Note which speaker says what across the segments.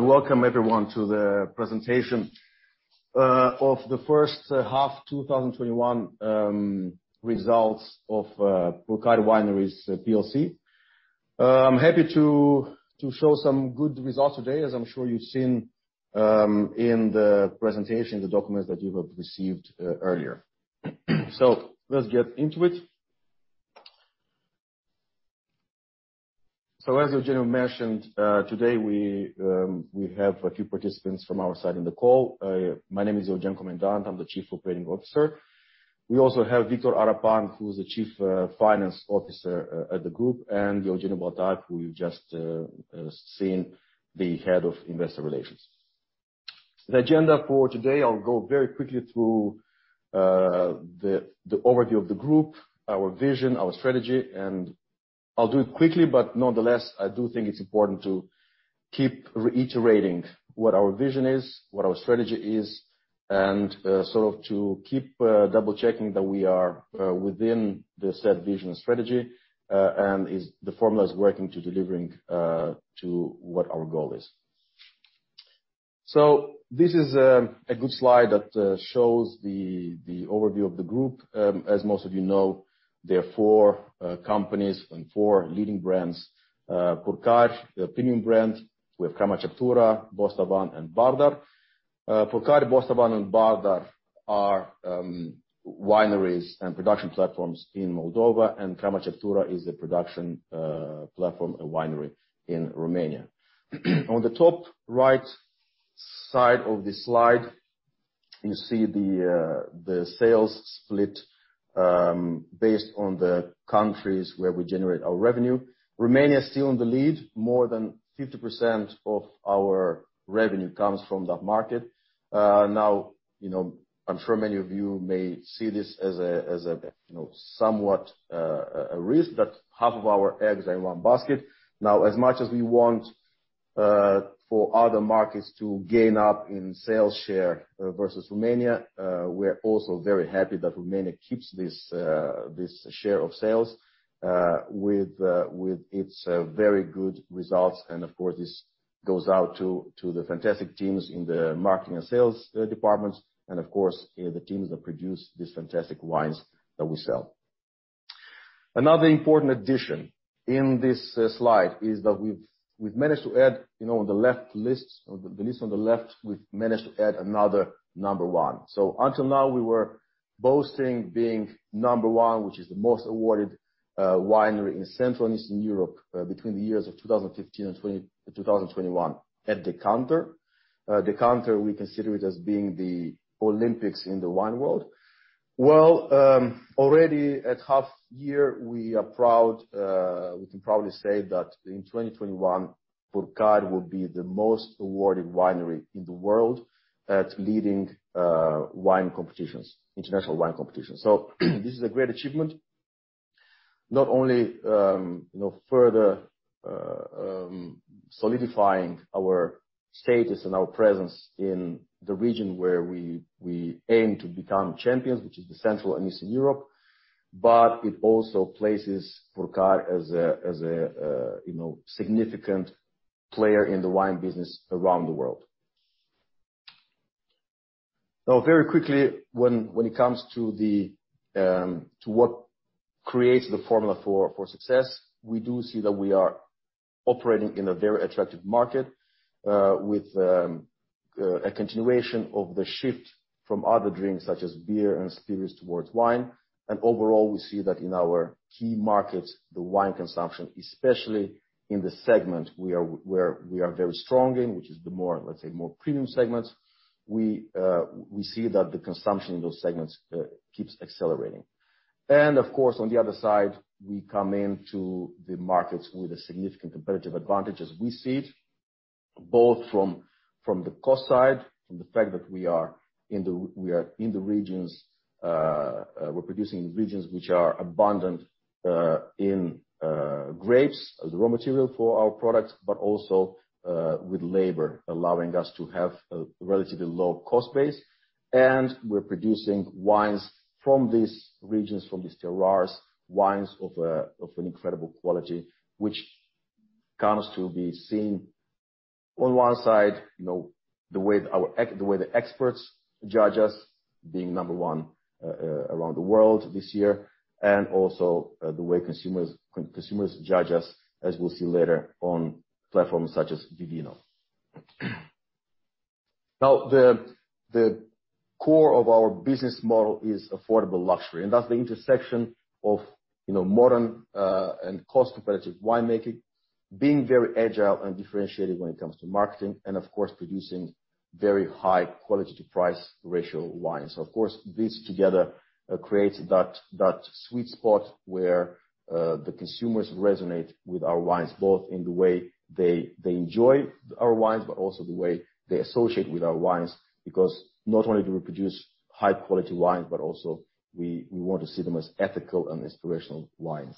Speaker 1: Welcome everyone to the presentation of the first half 2021 results of Purcari Wineries PLC. I'm happy to show some good results today, as I'm sure you've seen in the presentation, the documents that you have received earlier. Let's get into it. As Eugeniu mentioned, today we have a few participants from our side in the call. My name is Eugen Comendant. I'm the Chief Operating Officer. We also have Victor Arapan, who's the Chief Financial Officer at the group, and Eugeniu Baltag, who you've just seen, the Head of Investor Relations. The agenda for today, I'll go very quickly through the overview of the group, our vision, our strategy, and I'll do it quickly, but nonetheless, I do think it's important to keep reiterating what our vision is, what our strategy is, and to keep double-checking that we are within the said vision strategy, and is the formulas working to delivering to what our goal is. This is a good slide that shows the overview of the group. As most of you know, there are four companies and four leading brands. Purcari, the premium brand. We have Crama Ceptura, Bostavan, and Bardar. Purcari, Bostavan, and Bardar are wineries and production platforms in Moldova, and Crama Ceptura is the production platform and winery in Romania. On the top right side of the slide, you see the sales split, based on the countries where we generate our revenue. Romania is still in the lead. More than 50% of our revenue comes from that market. Now, I'm sure many of you may see this as somewhat a risk that half of our eggs are in one basket. Now, as much as we want for other markets to gain up in sales share versus Romania, we're also very happy that Romania keeps this share of sales with its very good results, and of course, this goes out to the fantastic teams in the marketing and sales departments and, of course, the teams that produce these fantastic wines that we sell. Another important addition in this slide is that we've managed to add on the list on the left, we've managed to add another number one. Until now, we were boasting being number one, which is the most awarded winery in Central and Eastern Europe between the years of 2015 and 2021 at Decanter. Decanter, we consider it as being the Olympics in the wine world. Well, already at half-year, we can proudly say that in 2021, Purcari will be the most awarded winery in the world at leading wine competitions, international wine competitions. This is a great achievement, not only further solidifying our status and our presence in the region where we aim to become champions, which is the Central and Eastern Europe, but it also places Purcari as a significant player in the wine business around the world. Now, very quickly, when it comes to what creates the formula for success, we do see that we are operating in a very attractive market, with a continuation of the shift from other drinks such as beer and spirits towards wine. Overall, we see that in our key markets, the wine consumption, especially in the segment where we are very strong in, which is the more, let's say, more premium segments. We see that the consumption in those segments keeps accelerating. Of course, on the other side, we come into the markets with a significant competitive advantage as we see it, both from the cost side, from the fact that we are in the regions We're producing in regions which are abundant in grapes, the raw material for our products, but also with labor, allowing us to have a relatively low cost base. We're producing wines from these regions, from these terroirs, wines of an incredible quality, which comes to be seen on one side, the way the experts judge us, being number one around the world this year, and also the way consumers judge us, as we'll see later on platforms such as Vivino. The core of our business model is affordable luxury, and that's the intersection of modern and cost-competitive wine making, being very agile and differentiated when it comes to marketing and, of course, producing very high quality to price ratio wines. Of course, these together create that sweet spot where the consumers resonate with our wines, both in the way they enjoy our wines, but also the way they associate with our wines, because not only do we produce high-quality wines, but also we want to see them as ethical and inspirational wines.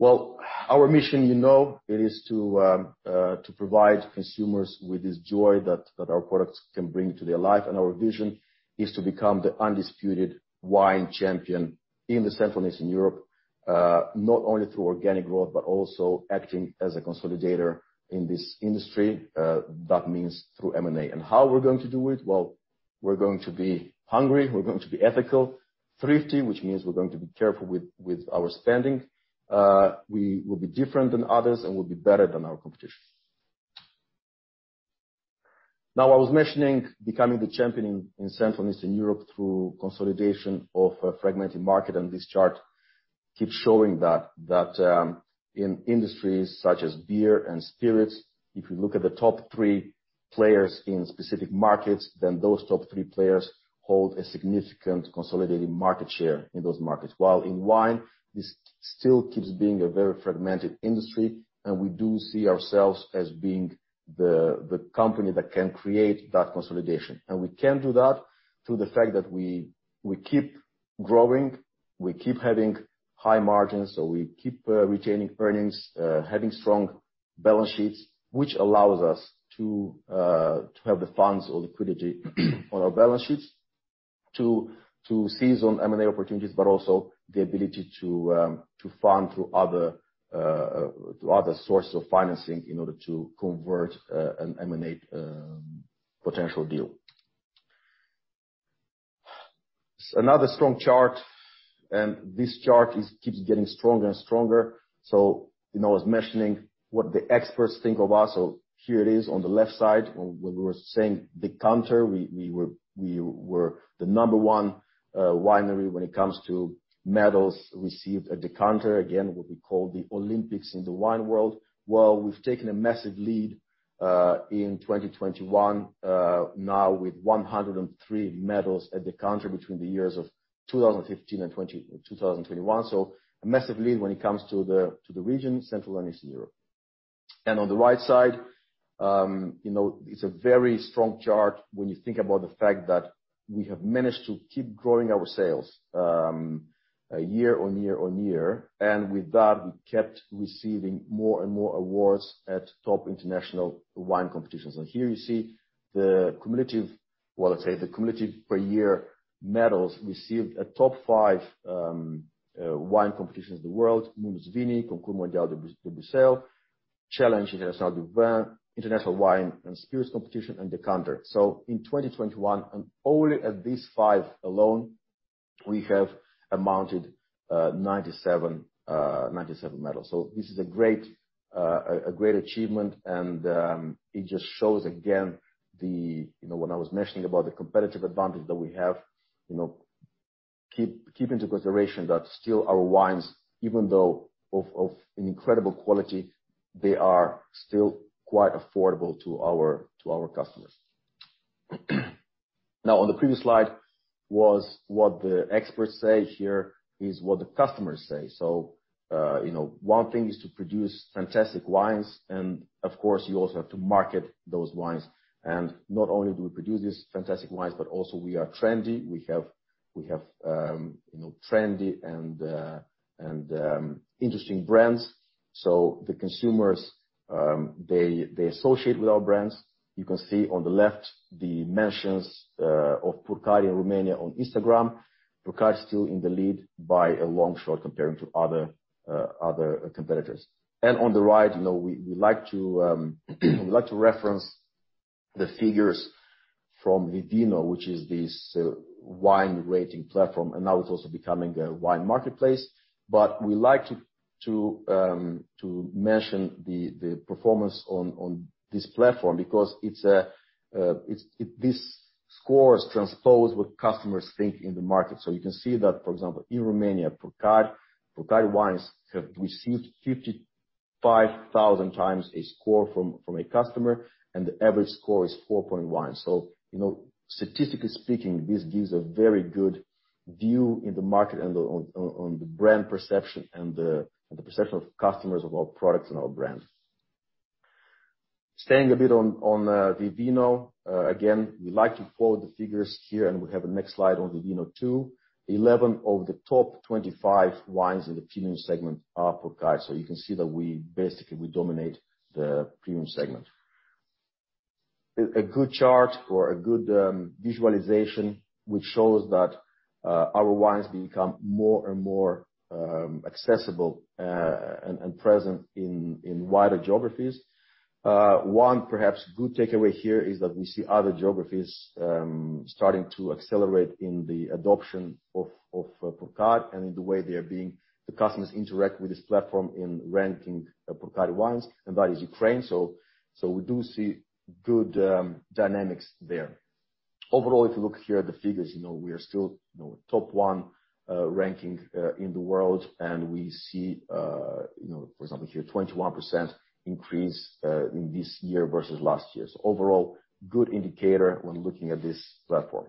Speaker 1: Well, our mission you know, it is to provide consumers with this joy that our products can bring to their life. Our vision is to become the undisputed wine champion in Central and Eastern Europe. Not only through organic growth, but also acting as a consolidator in this industry. That means through M&A. How we're going to do it? Well, we're going to be hungry, we're going to be ethical, thrifty, which means we're going to be careful with our spending. We will be different than others and we'll be better than our competition. Now, I was mentioning becoming the champion in Central and Eastern Europe through consolidation of a fragmented market, and this chart keeps showing that. That in industries such as beer and spirits, if you look at the top three players in specific markets, then those top three players hold a significant consolidated market share in those markets. While in wine, this still keeps being a very fragmented industry, and we do see ourselves as being the company that can create that consolidation. We can do that through the fact that we keep growing, we keep having high margins, we keep retaining earnings, having strong balance sheets, which allows us to have the funds or liquidity on our balance sheets to seize on M&A opportunities, but also the ability to fund through other sources of financing in order to convert an M&A potential deal. Another strong chart, this chart keeps getting stronger and stronger. I was mentioning what the experts think of us. Here it is on the left side, when we were saying Decanter, we were the number one winery when it comes to medals received at Decanter, again, what we call the Olympics in the wine world. We've taken a massive lead, in 2021, now with 103 medals at Decanter between the years of 2015 and 2021. A massive lead when it comes to the region, Central and Eastern Europe. On the right side, it's a very strong chart when you think about the fact that we have managed to keep growing our sales year on year on year. With that, we kept receiving more and more awards at top international wine competitions. Here you see the cumulative per year medals received at top five wine competitions in the world, Mundus Vini, Concours Mondial de Bruxelles, Challenge International du Vin, International Wine & Spirit Competition, and Decanter. In 2021, and only at these five alone, we have amounted 97 medals. This is a great achievement and it just shows again, when I was mentioning about the competitive advantage that we have, keep into consideration that still our wines, even though of an incredible quality, they are still quite affordable to our customers. Now, on the previous slide was what the experts say, here is what the customers say. One thing is to produce fantastic wines, and of course you also have to market those wines. Not only do we produce these fantastic wines, but also we are trendy. We have trendy and interesting brands. The consumers, they associate with our brands. You can see on the left the mentions of Purcari in Romania on Instagram. Purcari is still in the lead by a long shot compared to other competitors. On the right, we like to reference the figures from Vivino, which is this wine rating platform, and now it's also becoming a wine marketplace. We like to mention the performance on this platform, because these scores transpose what customers think in the market. You can see that, for example, in Romania, Purcari wines have received 55,000 times a score from a customer, and the average score is 4.1. Statistically speaking, this gives a very good view in the market and on the brand perception and the perception of customers of our products and our brands. Staying a bit on Vivino, we like to forward the figures here. We have a next slide on Vivino too. 11 of the top 25 wines in the premium segment are Purcari. You can see that we basically dominate the premium segment. A good chart or a good visualization, which shows that our wines become more and more accessible and present in wider geographies. One perhaps good takeaway here is that we see other geographies starting to accelerate in the adoption of Purcari and in the way the customers interact with this platform in ranking Purcari wines. That is Ukraine. We do see good dynamics there. Overall, if you look here at the figures, we are still top one ranking in the world. We see, for example here, 21% increase in this year versus last year. Overall, good indicator when looking at this platform.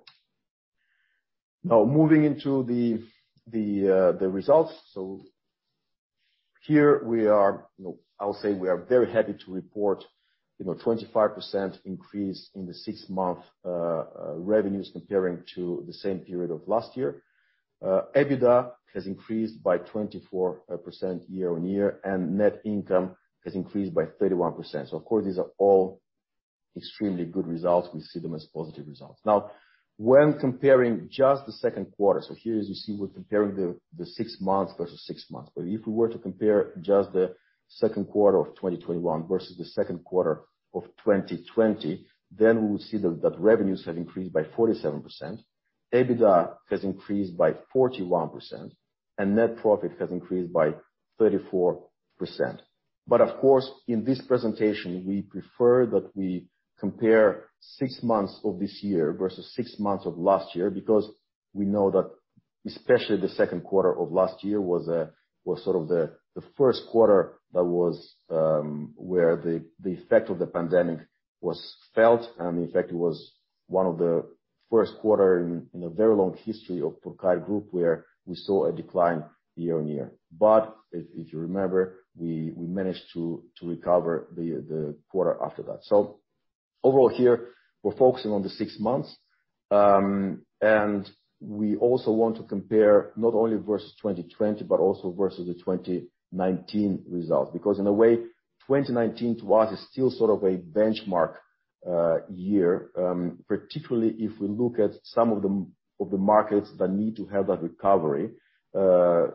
Speaker 1: Moving into the results. Here I will say we are very happy to report 25% increase in the 6-month revenues comparing to the same period of last year. EBITDA has increased by 24% year-on-year, and net income has increased by 31%. Of course, these are all extremely good results. We see them as positive results. When comparing just the second quarter, here as you see, we are comparing the six months versus six months. If we were to compare just the second quarter of 2021 versus the second quarter of 2020, we would see that revenues have increased by 47%, EBITDA has increased by 41%, and net profit has increased by 34%. Of course, in this presentation, we prefer that we compare 6 months of this year versus six months of last year, because we know that especially the secondnd quarter of last year was sort of the first quarter that was where the effect of the pandemic was felt. In fact, it was one of the 1st quarter in a very long history of Purcari Group where we saw a decline year-on-year. If you remember, we managed to recover the quarter after that. Overall here, we're focusing on the six months, and we also want to compare not only versus 2020, but also versus the 2019 results. In a way, 2019 to us is still sort of a benchmark year, particularly if we look at some of the markets that need to have that recovery from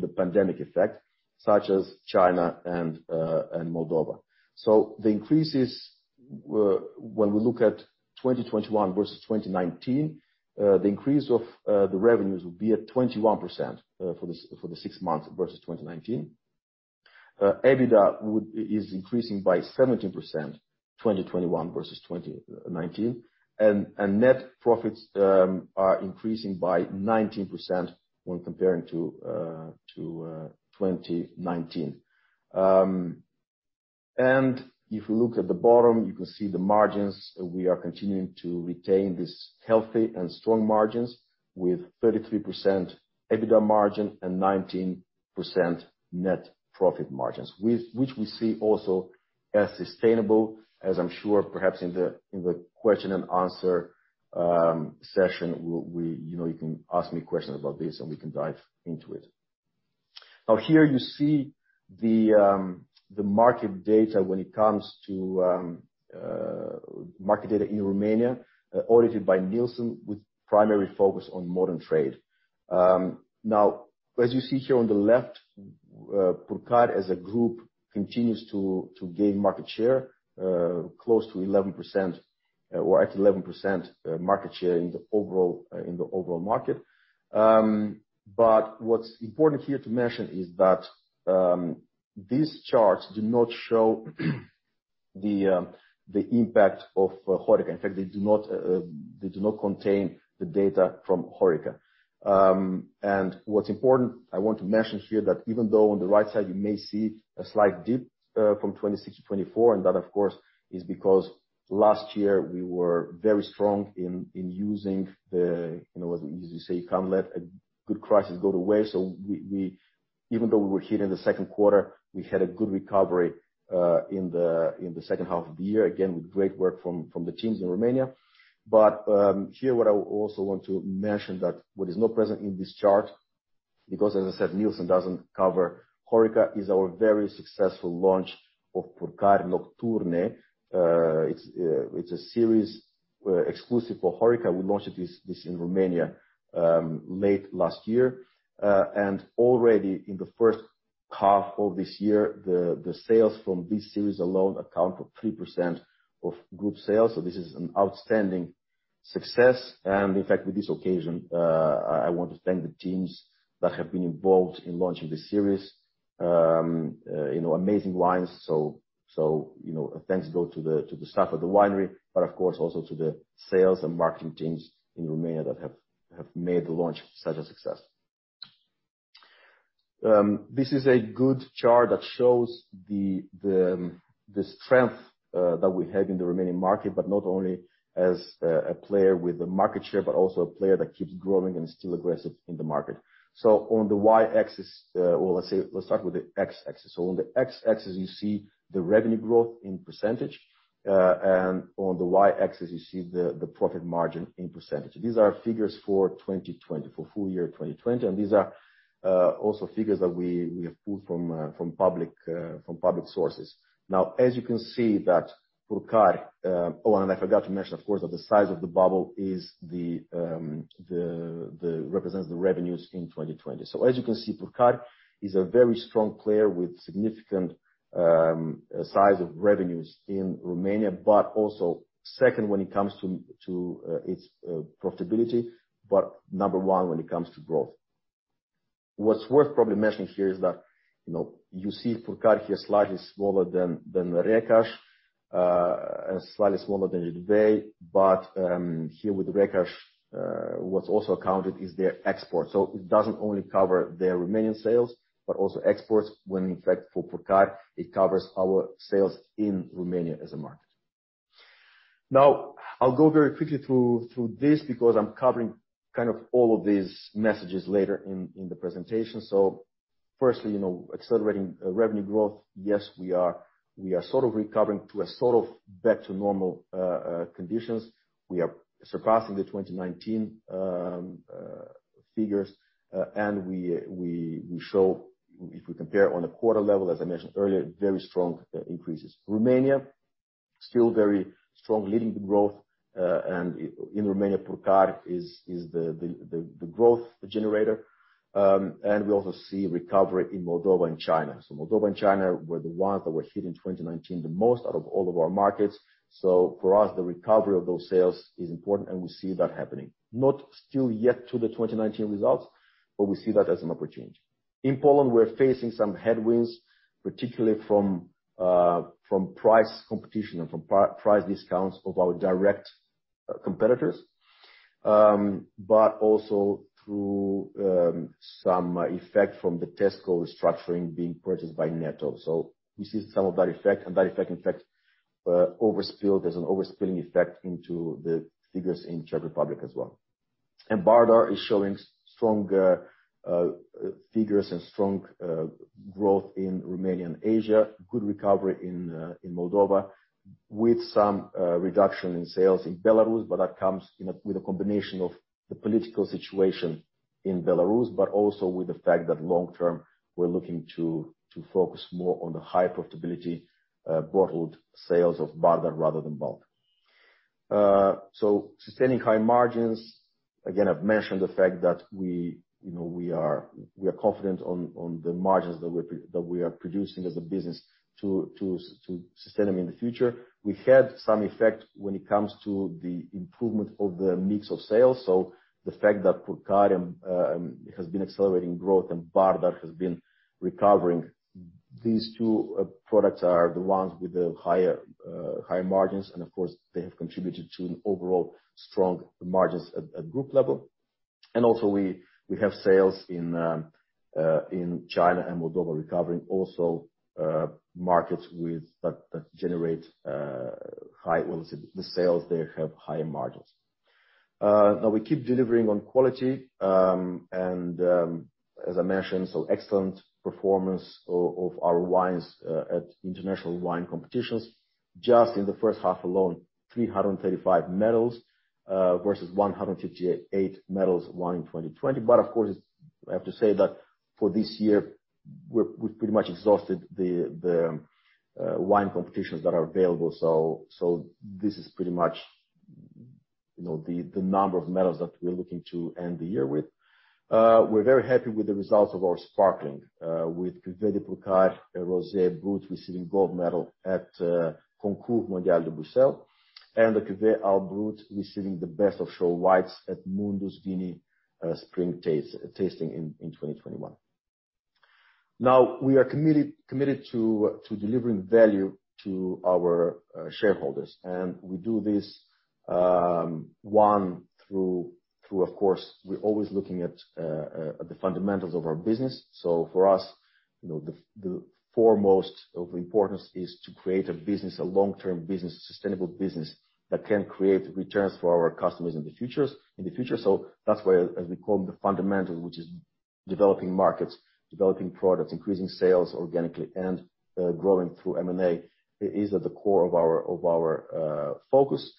Speaker 1: the pandemic effect, such as China and Moldova. The increases, when we look at 2021 versus 2019, the increase of the revenues will be at 21% for the six months versus 2019. EBITDA is increasing by 17%, 2021 versus 2019. Net profits are increasing by 19% when comparing to 2019. If you look at the bottom, you can see the margins. We are continuing to retain this healthy and strong margins with 33% EBITDA margin and 19% net profit margins, which we see also as sustainable as I am sure perhaps in the question and answer session, you can ask me questions about this, and we can dive into it. Here you see the market data when it comes to market data in Romania, audited by Nielsen with primary focus on modern trade. As you see here on the left, Purcari as a group continues to gain market share close to 11% or at 11% market share in the overall market. What's important here to mention is that these charts do not show the impact of HoReCa. In fact, they do not contain the data from HoReCa. What's important, I want to mention here that even though on the right side, you may see a slight dip from 2026 to 2024, and that of course is because last year we were very strong in using the, as we say, can't let a good crisis go to waste. Even though we were hit in the second quarter, we had a good recovery in the second half of the year, again with great work from the teams in Romania. Here what I also want to mention that what is not present in this chart, because as I said, Nielsen doesn't cover HoReCa, is our very successful launch of Purcari Nocturne. It's a series exclusive for HoReCa. We launched this in Romania late last year. Already in the first half of this year, the sales from this series alone account for 3% of group sales. This is an outstanding success. In fact, with this occasion, I want to thank the teams that have been involved in launching this series. Amazing wines. Thanks go to the staff at the winery, but of course also to the sales and marketing teams in Romania that have made the launch such a success. This is a good chart that shows the strength that we have in the Romanian market, but not only as a player with the market share, but also a player that keeps growing and is still aggressive in the market. On the Y-axis, or let's start with the X-axis. On the X-axis, you see the revenue growth in %. On the Y-axis, you see the profit margin in %. These are figures for 2020, for full year 2020, and these are also figures that we have pulled from public sources. As you can see that Purcari Oh, and I forgot to mention, of course, that the size of the bubble represents the revenues in 2020. As you can see, Purcari is a very strong player with significant size of revenues in Romania, but also second when it comes to its profitability, but number one when it comes to growth. What's worth probably mentioning here is that you see Purcari here slightly smaller than Recaș, and slightly smaller than Jidvei, but here with Recaș what's also counted is their export. It doesn't only cover their Romanian sales, but also exports, when in fact for Purcari, it covers our sales in Romania as a market. I'll go very quickly through this because I'm covering kind of all of these messages later in the presentation. Firstly, accelerating revenue growth. Yes, we are sort of recovering to a sort of back to normal conditions. We are surpassing the 2019 figures. We show, if we compare on a quarter level, as I mentioned earlier, very strong increases. Romania, still very strong, leading the growth. In Romania, Purcari is the growth generator. We also see recovery in Moldova and China. Moldova and China were the ones that were hit in 2019 the most out of all of our markets. For us, the recovery of those sales is important, and we see that happening. Not still yet to the 2019 results, but we see that as an opportunity. In Poland, we're facing some headwinds, particularly from price competition and from price discounts of our direct competitors. Also through some effect from the Tesco restructuring being purchased by Netto. We see some of that effect and that effect, in fact, there's an overspilling effect into the figures in Czech Republic as well. Bardar is showing strong figures and strong growth in Romania and Asia. Good recovery in Moldova with some reduction in sales in Belarus, but that comes with a combination of the political situation in Belarus, but also with the fact that long-term, we're looking to focus more on the high profitability bottled sales of Bardar rather than bulk. Sustaining high margins. Again, I've mentioned the fact that we are confident on the margins that we are producing as a business to sustain them in the future. We had some effect when it comes to the improvement of the mix of sales. The fact that Purcari has been accelerating growth and Bardar has been recovering, these two products are the ones with the high margins, and of course, they have contributed to overall strong margins at group level. Also we have sales in China and Moldova recovering also, markets that generate high, the sales there have higher margins. We keep delivering on quality. As I mentioned, excellent performance of our wines at international wine competitions. Just in the first half alone, 335 medals, versus 158 medals won in 2020. Of course, I have to say that for this year, we've pretty much exhausted the wine competitions that are available. This is pretty much the number of medals that we're looking to end the year with. We're very happy with the results of our sparkling, with Cuvée de Purcari Rosé Brut receiving gold medal at Concours Mondial de Bruxelles, and the Cuvée de Purcari Alb Brut receiving the best of show whites at Mundus Vini Spring Tasting in 2021. We are committed to delivering value to our shareholders. We do this, one, through, of course, we're always looking at the fundamentals of our business. For us, the foremost of importance is to create a business, a long-term business, a sustainable business that can create returns for our customers in the future. That's why as we call the fundamentals, which is developing markets, developing products, increasing sales organically, and growing through M&A, is at the core of our focus.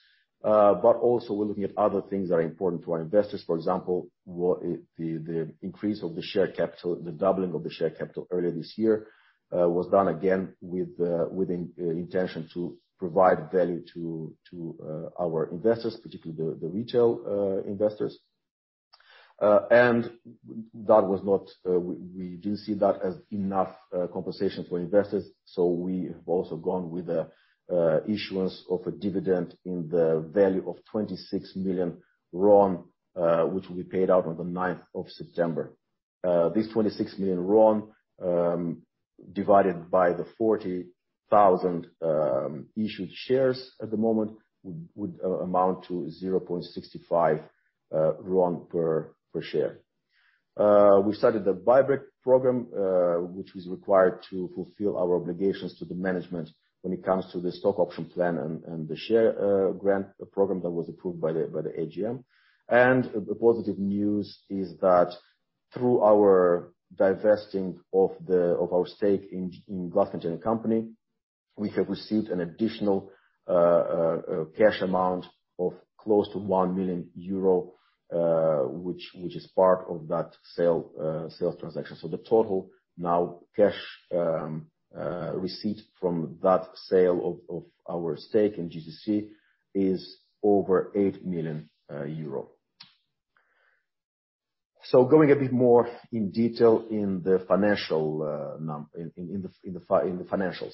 Speaker 1: Also we're looking at other things that are important to our investors. For example, the increase of the share capital, the doubling of the share capital earlier this year, was done again with intention to provide value to our investors, particularly the retail investors. We didn't see that as enough compensation for investors. We have also gone with the issuance of a dividend in the value of RON 26 million, which will be paid out on the September 9th. This RON 26 million, divided by the 40,000 issued shares at the moment, would amount to RON 0.65 per share. We started the buyback program, which was required to fulfill our obligations to the management when it comes to the stock option plan and the share grant program that was approved by the AGM. The positive news is that through our divesting of our stake in Glass Container Company, we have received an additional cash amount of close to 1 million euro, which is part of that sales transaction. The total now cash receipt from that sale of our stake in GCC is over EUR 8 million. Going a bit more in detail in the financials.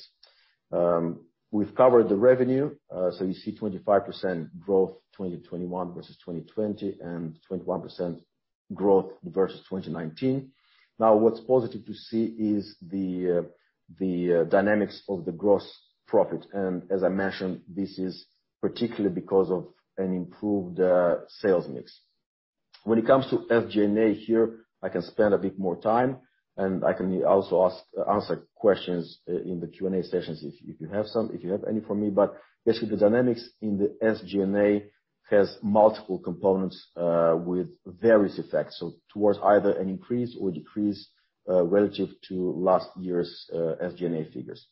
Speaker 1: We've covered the revenue. You see 25% growth 2021 versus 2020, and 21% growth versus 2019. What's positive to see is the dynamics of the gross profit. As I mentioned, this is particularly because of an improved sales mix. When it comes to SG&A here, I can spend a bit more time, and I can also answer questions in the Q&A sessions if you have any for me. The dynamics in the SG&A has multiple components with various effects, so towards either an increase or decrease relative to last year's SG&A figures.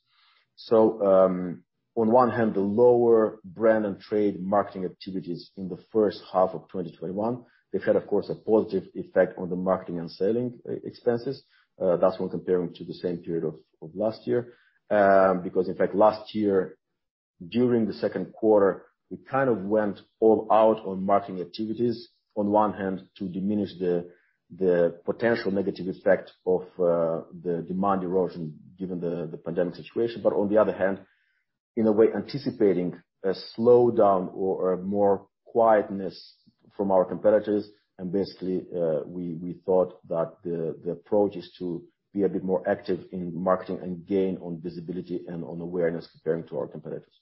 Speaker 1: On one hand, the lower brand and trade marketing activities in the first half of 2021, they've had, of course, a positive effect on the marketing and selling expenses. That's when comparing to the same period of last year. In fact, last year during the second quarter, we went all out on marketing activities. On one hand, to diminish the potential negative effect of the demand erosion given the pandemic situation. On the other hand, in a way anticipating a slowdown or a more quietness from our competitors and basically, we thought that the approach is to be a bit more active in marketing and gain on visibility and on awareness comparing to our competitors.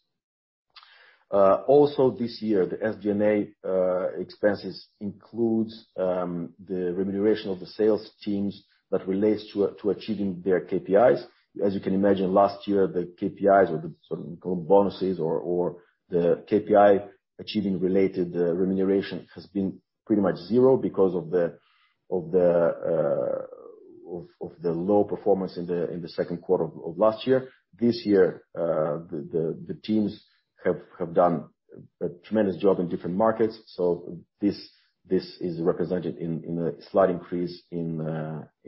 Speaker 1: This year, the SG&A expenses includes the remuneration of the sales teams that relates to achieving their KPIs. As you can imagine, last year, the KPIs or the so-called bonuses or the KPI achieving related remuneration has been pretty much zero because of the low performance in the second quarter of last year. This year, the teams have done a tremendous job in different markets. This is represented in a slight increase in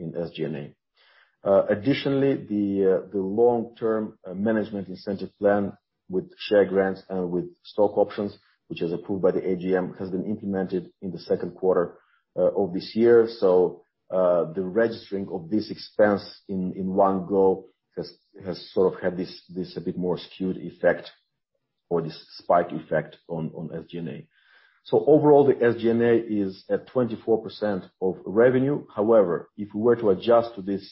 Speaker 1: SG&A. Additionally, the long-term management incentive plan with share grants and with stock options, which is approved by the AGM, has been implemented in the second quarter of this year. The registering of this expense in one go has had this a bit more skewed effect or this spike effect on SG&A. Overall, the SG&A is at 24% of revenue. However, if we were to adjust to this,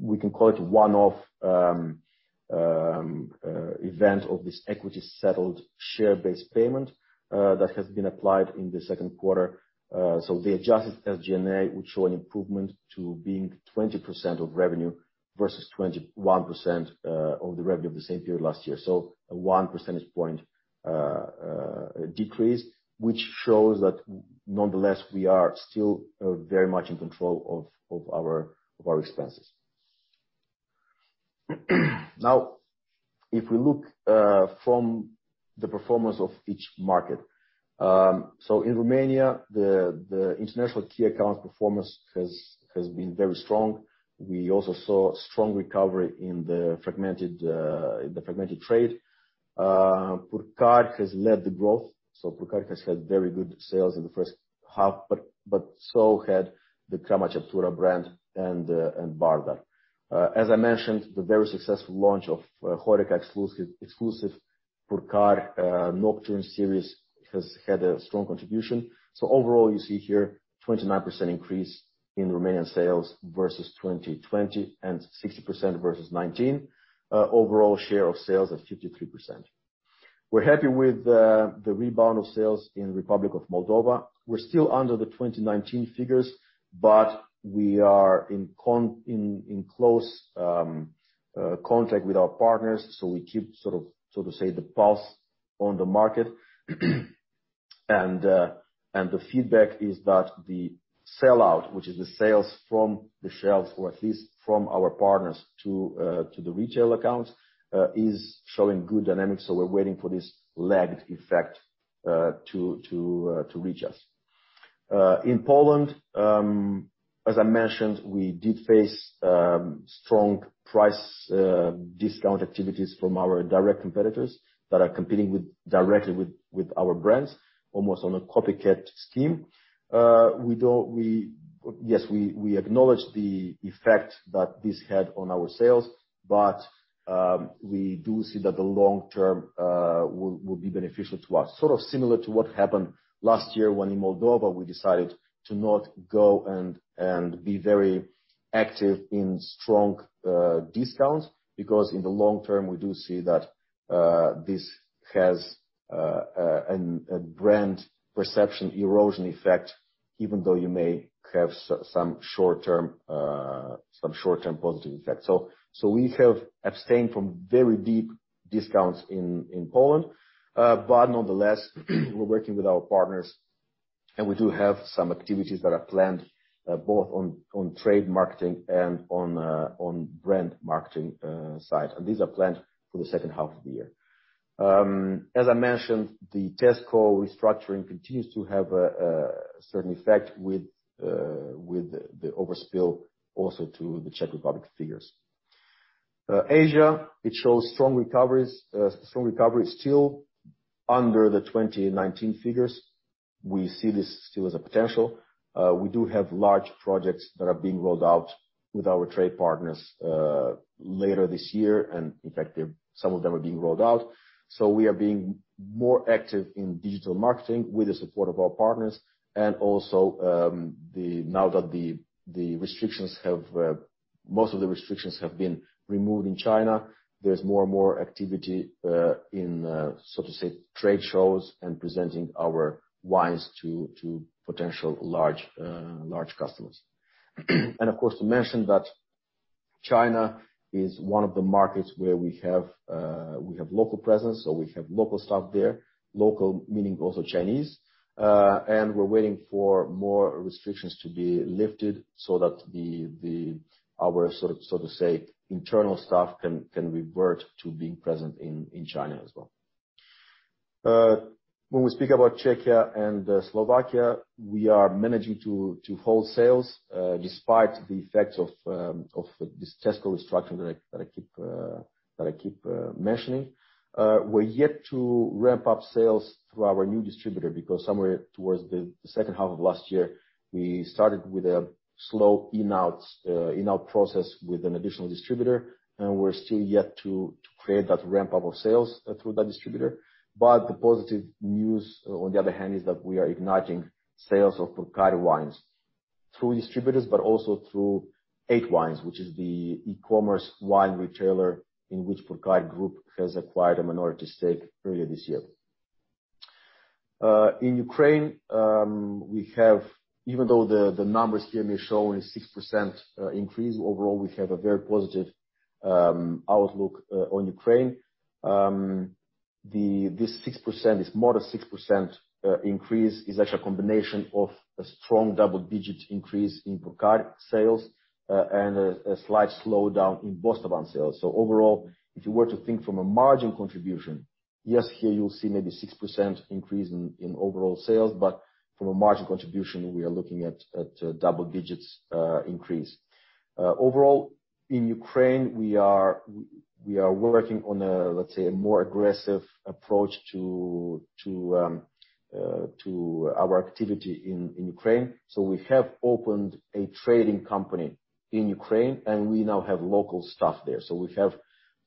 Speaker 1: we can call it one-off event of this equity settled share-based payment that has been applied in the second quarter. The adjusted SG&A would show an improvement to being 20% of revenue versus 21% of the revenue of the same period last year. A 1 percentage point decrease, which shows that nonetheless, we are still very much in control of our expenses. Now, if we look from the performance of each market. In Romania, the international key accounts performance has been very strong. We also saw strong recovery in the fragmented trade. Purcari has led the growth. Purcari has had very good sales in the first half, but so had the Crama Ceptura brand and Bardar. As I mentioned, the very successful launch of HoReCa exclusive Purcari Nocturne series has had a strong contribution. Overall, you see here, 29% increase in Romanian sales versus 2020 and 60% versus 2019. Overall share of sales at 53%. We're happy with the rebound of sales in Republic of Moldova. We're still under the 2019 figures, but we are in close contact with our partners, so we keep sort of so to say, the pulse on the market. The feedback is that the sellout, which is the sales from the shelves or at least from our partners to the retail accounts, is showing good dynamics. We're waiting for this lagged effect to reach us. In Poland, as I mentioned, we did face strong price discount activities from our direct competitors that are competing directly with our brands, almost on a copycat scheme. We acknowledge the effect that this had on our sales, but we do see that the long term will be beneficial to us. Sort of similar to what happened last year when in Moldova we decided to not go and be very active in strong discounts because in the long term we do see that this has a brand perception erosion effect, even though you may have some short-term positive effect. We have abstained from very deep discounts in Poland. Nonetheless, we're working with our partners and we do have some activities that are planned both on trade marketing and on brand marketing side. These are planned for the second half of the year. As I mentioned, the Tesco restructuring continues to have a certain effect with the overspill also to the Czech Republic figures. Asia, it shows strong recovery, still under the 2019 figures. We see this still as a potential. We do have large projects that are being rolled out with our trade partners later this year. In fact, some of them are being rolled out. We are being more active in digital marketing with the support of our partners also now that most of the restrictions have been removed in China, there's more and more activity in, so to say, trade shows and presenting our wines to potential large customers. Of course, to mention that China is one of the markets where we have local presence, so we have local staff there. Local meaning also Chinese. We're waiting for more restrictions to be lifted so that our, so to say, internal staff can revert to being present in China as well. When we speak about Czechia and Slovakia, we are managing to hold sales despite the effects of this Tesco restructuring that I keep mentioning. We're yet to ramp up sales through our new distributor, because somewhere towards the second half of last year, we started with a slow in-out process with an additional distributor, and we're still yet to create that ramp-up of sales through that distributor. The positive news, on the other hand, is that we are igniting sales of Purcari through distributors, but also through 8wines, which is the e-commerce wine retailer in which Purcari Wineries Group has acquired a minority stake earlier this year. In Ukraine, even though the numbers here may show only 6% increase overall, we have a very positive outlook on Ukraine. This more than 6% increase is actually a combination of a strong double-digit increase in Purcari sales and a slight slowdown in Bostavan sales. Overall, if you were to think from a margin contribution, yes, here you'll see maybe 6% increase in overall sales, but from a margin contribution, we are looking at double digits increase. Overall, in Ukraine, we are working on a, let's say, a more aggressive approach to our activity in Ukraine. We have opened a trading company in Ukraine, and we now have local staff there. We have,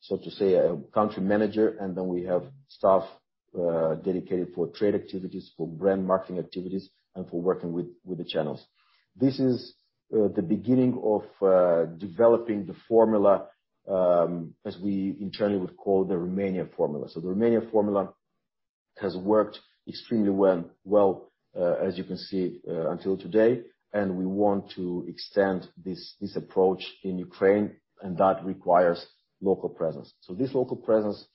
Speaker 1: so to say, a country manager, and then we have staff dedicated for trade activities, for brand marketing activities, and for working with the channels. This is the beginning of developing the formula, as we internally would call the Romania formula. The Romania formula has worked extremely well, as you can see, until today, and we want to extend this approach in Ukraine, and that requires local presence. This local presence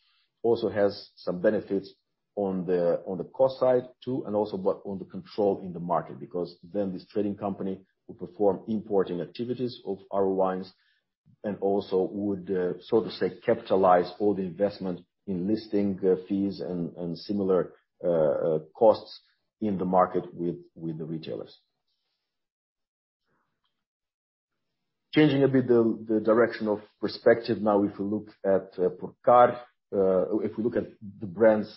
Speaker 1: also has some benefits on the cost side, too, and also on the control in the market, because then this trading company will perform importing activities of our wines and also would, so to say, capitalize all the investment in listing fees and similar costs in the market with the retailers. Changing a bit the direction of perspective now, if we look at the brands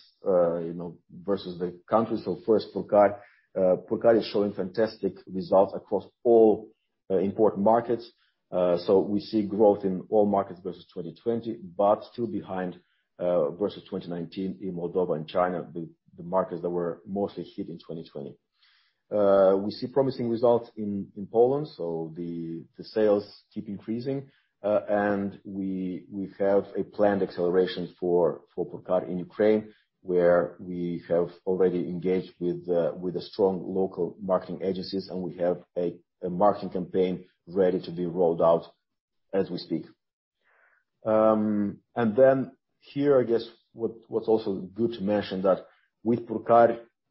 Speaker 1: versus the countries. First, Purcari. Purcari is showing fantastic results across all important markets. We see growth in all markets versus 2020, but still behind versus 2019 in Moldova and China, the markets that were mostly hit in 2020. We see promising results in Poland, the sales keep increasing. We have a planned acceleration for Purcari in Ukraine, where we have already engaged with strong local marketing agencies, and we have a marketing campaign ready to be rolled out as we speak. Here, I guess what's also good to mention is that with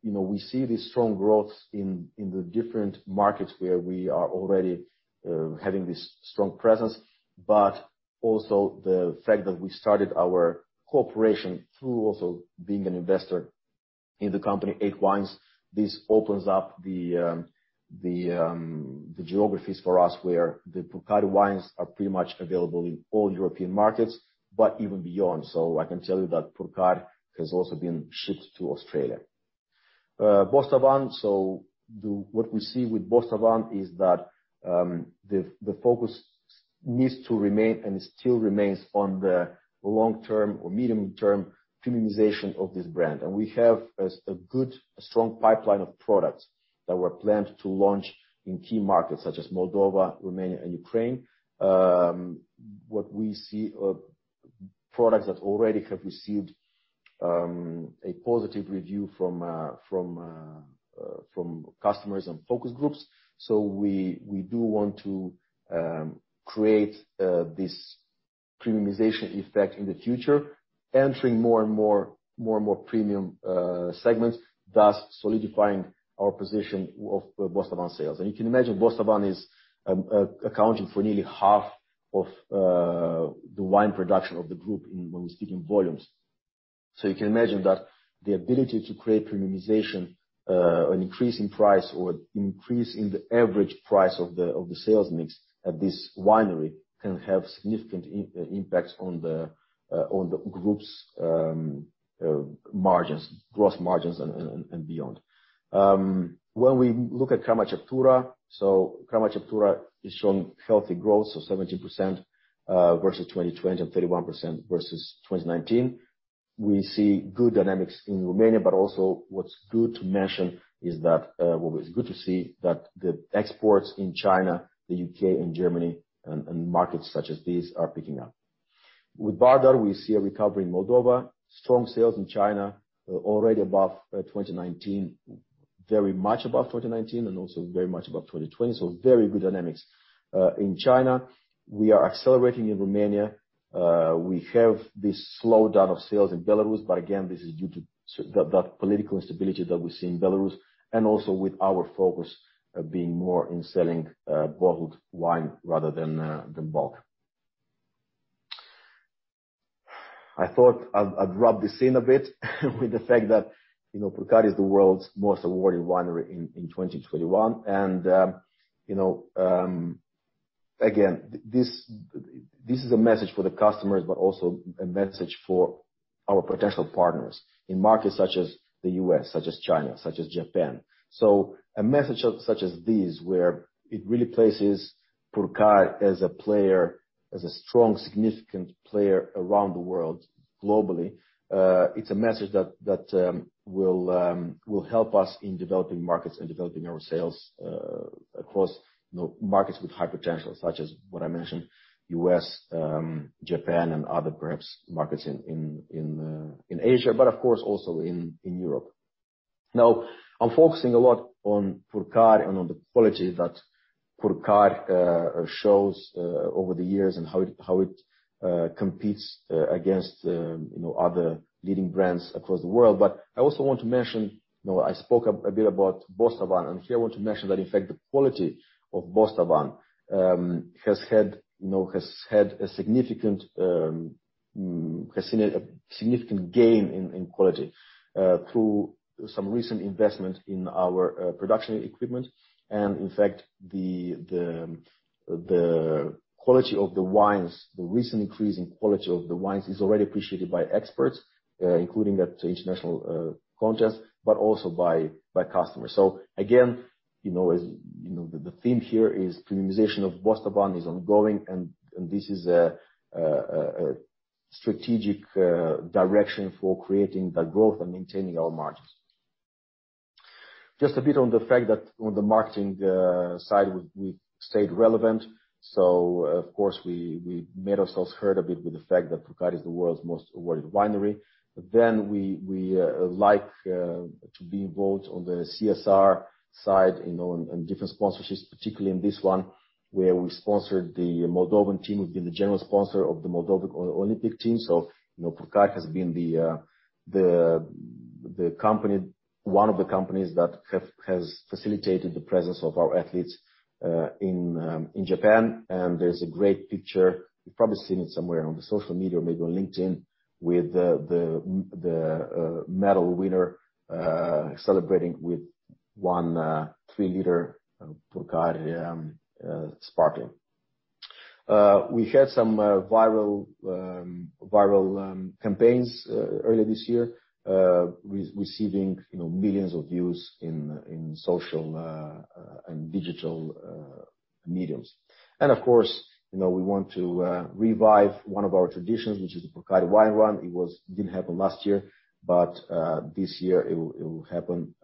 Speaker 1: Purcari, we see this strong growth in the different markets where we are already having this strong presence. Also the fact that we started our cooperation through also being an investor in the company, Eight Wines. This opens up the geographies for us where the Purcari wines are pretty much available in all European markets, but even beyond. I can tell you that Purcari has also been shipped to Australia. Bostavan. What we see with Bostavan is that the focus needs to remain, and it still remains on the long term or medium term premiumization of this brand. We have a good, strong pipeline of products that were planned to launch in key markets such as Moldova, Romania, and Ukraine. What we see are products that already have received a positive review from customers and focus groups. We do want to create this premiumization effect in the future, entering more and more premium segments, thus solidifying our position of Bostavan sales. You can imagine, Bostavan is accounting for nearly half of the wine production of the group when we speak in volumes. You can imagine that the ability to create premiumization, an increase in price or increase in the average price of the sales mix at this winery can have significant impact on the group's gross margins and beyond. When we look at Crama Ceptura. Crama Ceptura is showing healthy growth, 17% versus 2020 and 31% versus 2019. We see good dynamics in Romania, but also what's good to see is that the exports in China, the U.K., and Germany and markets such as these are picking up. With Bardar, we see a recovery in Moldova, strong sales in China already above 2019, very much above 2019 and also very much above 2020. Very good dynamics in China. We are accelerating in Romania. We have this slowdown of sales in Belarus, but again, this is due to that political instability that we see in Belarus and also with our focus being more in selling bottled wine rather than bulk. I thought I'd rub this in a bit with the fact that Purcari is the world's most awarded winery in 2021. Again, this is a message for the customers, but also a message for our potential partners in markets such as the U.S., such as China, such as Japan. A message such as this, where it really places Purcari as a strong, significant player around the world globally, it's a message that will help us in developing markets and developing our sales across markets with high potential, such as what I mentioned, U.S., Japan, and other perhaps markets in Asia, but of course also in Europe. Now I'm focusing a lot on Purcari and on the quality that Purcari shows over the years and how it competes against other leading brands across the world. I also want to mention, I spoke a bit about Bostavan, and here I want to mention that in fact, the quality of Bostavan has had a significant gain in quality through some recent investment in our production equipment. In fact, the quality of the wines, the recent increase in quality of the wines is already appreciated by experts including at international contests, but also by customers. Again, the theme here is premiumization of Bostavan is ongoing, and this is a strategic direction for creating that growth and maintaining our margins. Just a bit on the fact that on the marketing side, we've stayed relevant. Of course, we made ourselves heard a bit with the fact that Purcari is the world's most awarded winery. We like to be involved on the CSR side and on different sponsorships, particularly in this one where we sponsored the Moldovan team. We've been the general sponsor of the Moldovan Olympic team. Purcari has been one of the companies that has facilitated the presence of our athletes in Japan. There's a great picture, you've probably seen it somewhere on social media or maybe on LinkedIn, with the medal winner celebrating with 1 three-liter Purcari sparkling. We had some viral campaigns earlier this year, receiving millions of views in social and digital mediums. Of course, we want to revive one of our traditions, which is the Purcari Wine Run. It didn't happen last year, but this year it will happen,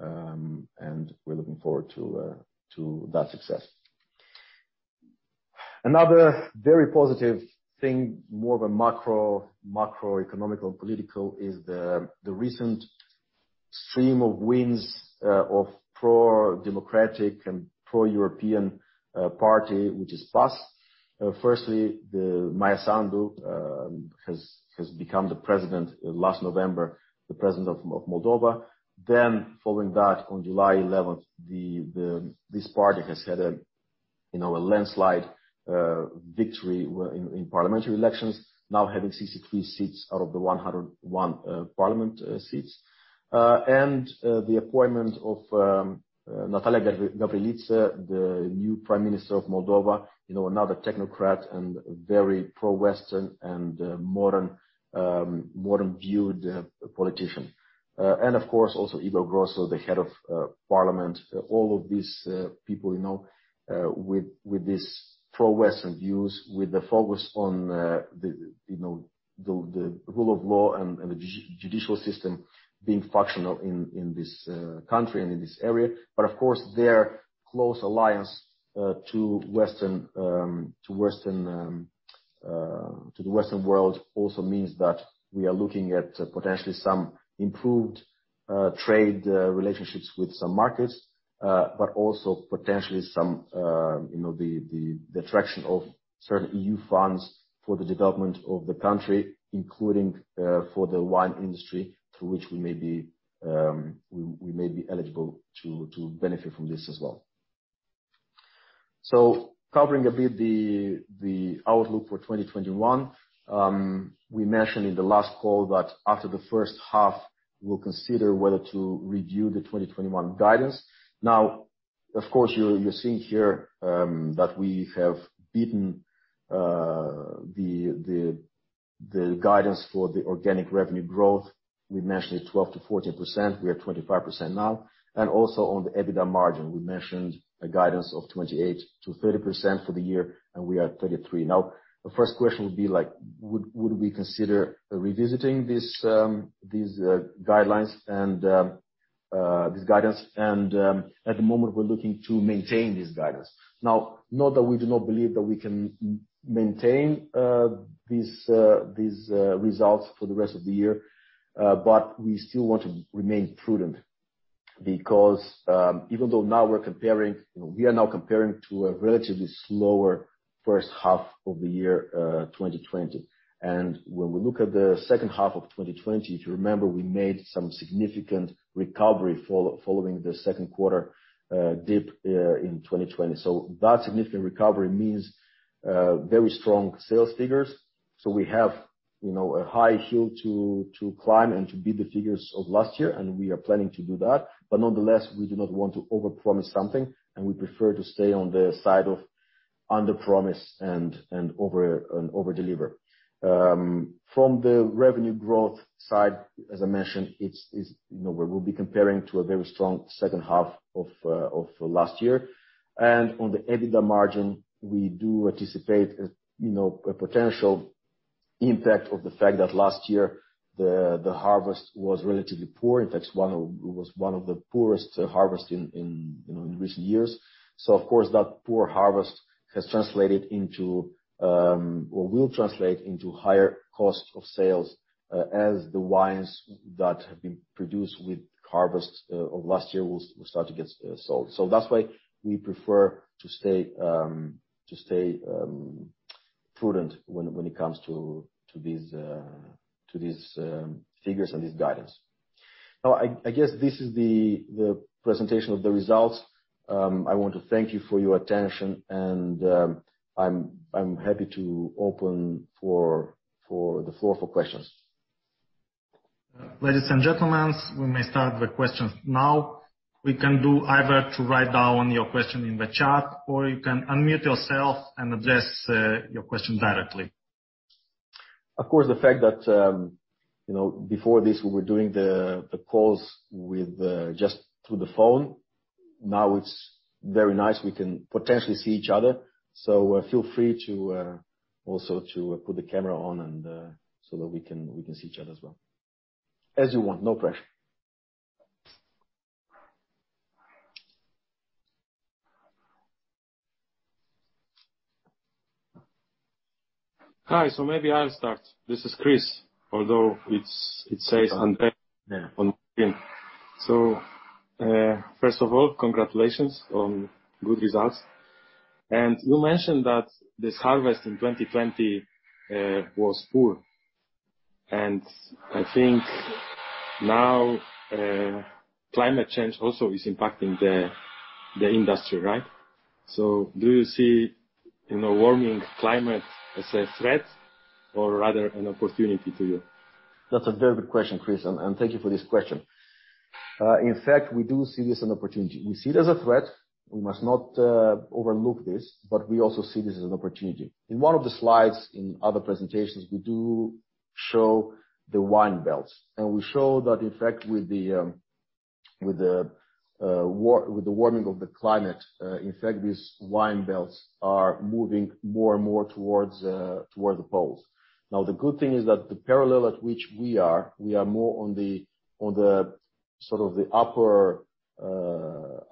Speaker 1: and we're looking forward to that success. Another very positive thing, more of a macroeconomic or political, is the recent stream of wins of pro-democratic and pro-European party, which is PAS. Firstly, Maia Sandu has become the president last November, the president of Moldova. Following that, on July 11th, this party has had a landslide victory in parliamentary elections, now having 63 seats out of the 101 parliament seats. The appointment of Natalia Gavrilita, the new prime minister of Moldova, another technocrat and very pro-Western and modern-viewed politician. Of course, also Igor Grosu, the head of parliament. All of these people with these pro-Western views, with the focus on the rule of law and the judicial system being functional in this country and in this area. Of course, their close alliance to the Western world also means that we are looking at potentially some improved trade relationships with some markets. Also potentially the attraction of certain EU funds for the development of the country, including for the wine industry, through which we may be eligible to benefit from this as well. Covering a bit the outlook for 2021. We mentioned in the last call that after the first half, we'll consider whether to review the 2021 guidance. Of course, you're seeing here that we have beaten the guidance for the organic revenue growth. We mentioned it 12%-14%, we are 25% now. Also on the EBITDA margin, we mentioned a guidance of 28%-30% for the year, and we are at 33%. The first question would be, would we consider revisiting these guidelines and this guidance? At the moment, we're looking to maintain this guidance. Now, not that we do not believe that we can maintain these results for the rest of the year, but we still want to remain prudent. Even though now we are now comparing to a relatively slower first half of 2020. When we look at the second half of 2020, if you remember, we made some significant recovery following the second quarter dip in 2020. That significant recovery means very strong sales figures. We have a high hill to climb and to beat the figures of last year, and we are planning to do that. Nonetheless, we do not want to overpromise something, and we prefer to stay on the side of underpromise and overdeliver. From the revenue growth side, as I mentioned, we'll be comparing to a very strong second half of last year. On the EBITDA margin, we do anticipate a potential impact of the fact that last year, the harvest was relatively poor. In fact, it was one of the poorest harvests in recent years. Of course, that poor harvest has translated into, or will translate into higher cost of sales, as the wines that have been produced with harvest of last year will start to get sold. That's why we prefer to stay prudent when it comes to these figures and this guidance. I guess this is the presentation of the results. I want to thank you for your attention, and I'm happy to open the floor for questions.
Speaker 2: Ladies and gentlemen, we may start the questions now. We can do either to write down your question in the chat or you can unmute yourself and address your question directly.
Speaker 1: Of course, the fact that before this, we were doing the calls just through the phone. Now it's very nice we can potentially see each other. Feel free also to put the camera on so that we can see each other as well. As you want, no pressure.
Speaker 3: Hi. Maybe I'll start. This is Chris. Although it says Andre on screen.
Speaker 1: Yeah.
Speaker 3: First of all, congratulations on good results. You mentioned that this harvest in 2020 was poor. I think now climate change also is impacting the industry, right? Do you see warming climate as a threat or rather an opportunity to you?
Speaker 1: That's a very good question, Chris, and thank you for this question. In fact, we do see this as an opportunity. We see it as a threat. We must not overlook this, we also see this as an opportunity. In one of the slides in other presentations, we do show the wine belts. We show that, in fact, with the warming of the climate, in fact, these wine belts are moving more and more towards the poles. Now, the good thing is that the parallel at which we are, we are more on the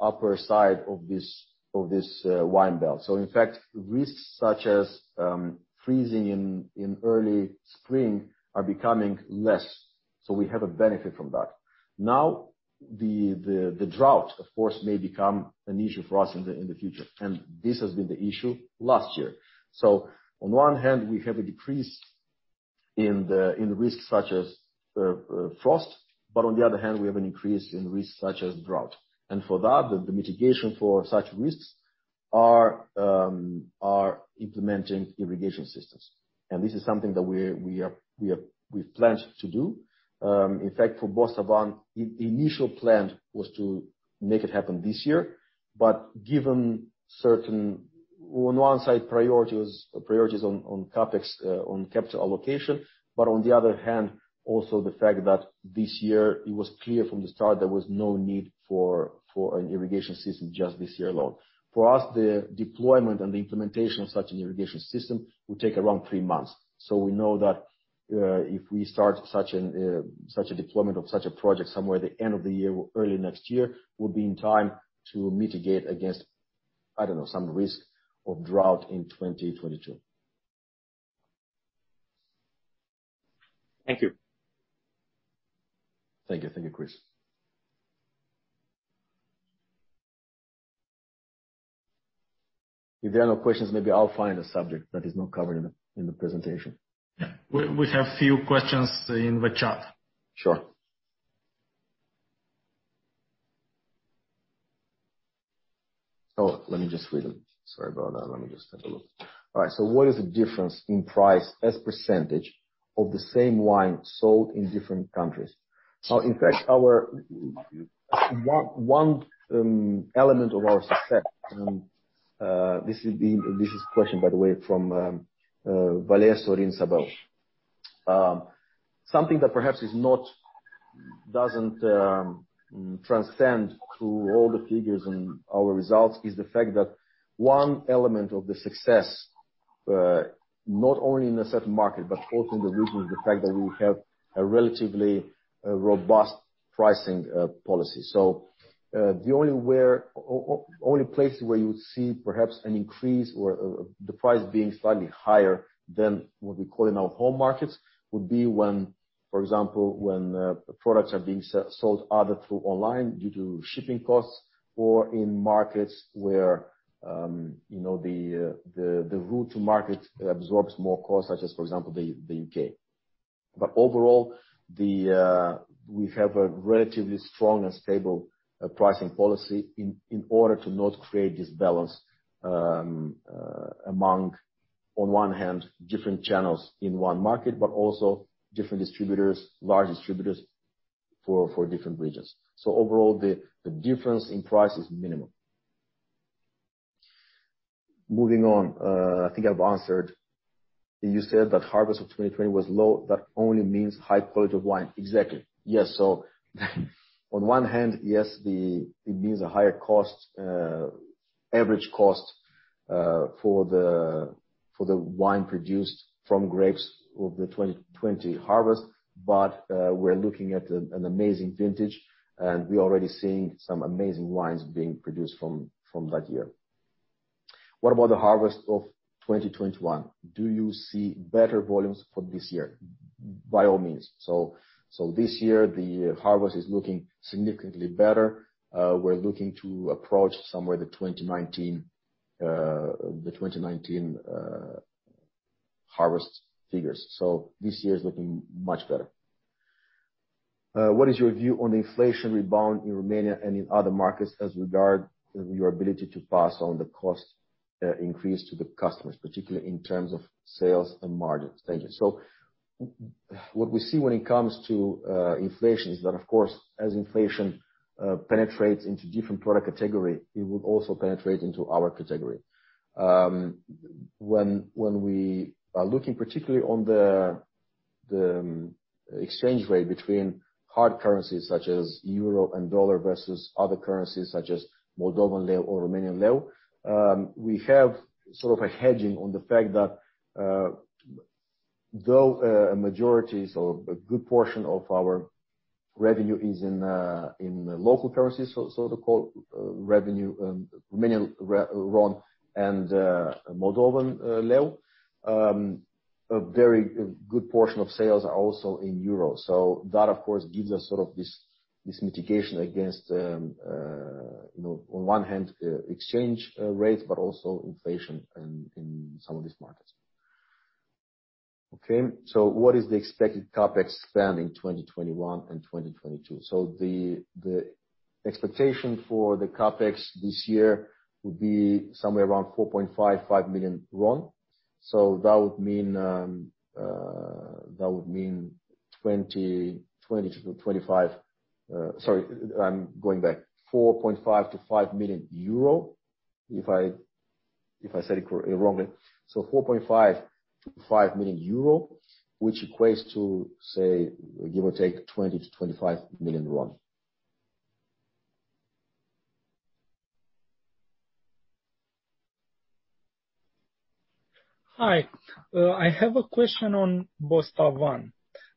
Speaker 1: upper side of this wine belt. In fact, risks such as freezing in early spring are becoming less, so we have a benefit from that. Now the drought, of course, may become an issue for us in the future, and this has been the issue last year. On one hand, we have a decrease in risks such as frost, but on the other hand, we have an increase in risks such as drought. For that, the mitigation for such risks are implementing irrigation systems. This is something that we've planned to do. In fact, for Bostavan 21, the initial plan was to make it happen this year, given certain, on one side, priorities on CapEx, on capital allocation, but on the other hand, also the fact that this year it was clear from the start there was no need for an irrigation system just this year alone. For us, the deployment and the implementation of such an irrigation system will take around three months. We know that if we start such a deployment of such a project somewhere the end of the year or early next year, we'll be in time to mitigate against, I don't know, some risk of drought in 2022.
Speaker 3: Thank you.
Speaker 1: Thank you. Thank you, Chris. If there are no questions, maybe I'll find a subject that is not covered in the presentation.
Speaker 2: Yeah. We have few questions in the chat.
Speaker 1: Sure. Let me just read them. Sorry about that. Let me just have a look. All right. What is the difference in price as % of the same wine sold in different countries? In fact, one element of our success, this is a question, by the way, from Vasile Tofan. Something that perhaps doesn't transcend through all the figures and our results is the fact that one element of the success, not only in a certain market, but also in the region, is the fact that we have a relatively robust pricing policy. The only places where you would see perhaps an increase or the price being slightly higher than what we call in our home markets would be when, for example, when products are being sold either through online due to shipping costs or in markets where the route to market absorbs more cost, such as, for example, the U.K. Overall, we have a relatively strong and stable pricing policy in order to not create disbalance among, on one hand, different channels in one market, but also different distributors, large distributors for different regions. Overall, the difference in price is minimum. Moving on. I think I've answered. You said that harvest of 2020 was low, that only means high quality of wine. Exactly. Yes. On one hand, yes, it means a higher average cost for the wine produced from grapes of the 2020 harvest. We're looking at an amazing vintage, and we're already seeing some amazing wines being produced from that year. What about the harvest of 2021? Do you see better volumes for this year? By all means. This year, the harvest is looking significantly better. We're looking to approach somewhere the 2019 harvest figures. This year is looking much better. What is your view on the inflation rebound in Romania and in other markets as regards your ability to pass on the cost increase to the customers, particularly in terms of sales and margins? Thank you. What we see when it comes to inflation is that, of course, as inflation penetrates into different product category, it will also penetrate into our category. When we are looking particularly on the exchange rate between hard currencies such as Euro and dollar versus other currencies such as Moldovan leu or Romanian leu, we have sort of a hedging on the fact that, though a majority or a good portion of our revenue is in local currencies, so-called Romanian ron and Moldovan leu, a very good portion of sales are also in euro. That, of course, gives us this mitigation against, on one hand, exchange rate, but also inflation in some of these markets. What is the expected CapEx spend in 2021 and 2022? The expectation for the CapEx this year would be somewhere around RON 4.5 million-RON 5 million. That would mean EUR 4.5 million-EUR 5 million, if I said it wrongly. 4.5 million-5 million euro, which equates to, say, give or take RON 20 million-RON 25 million.
Speaker 4: Hi. I have a question on Bostavan.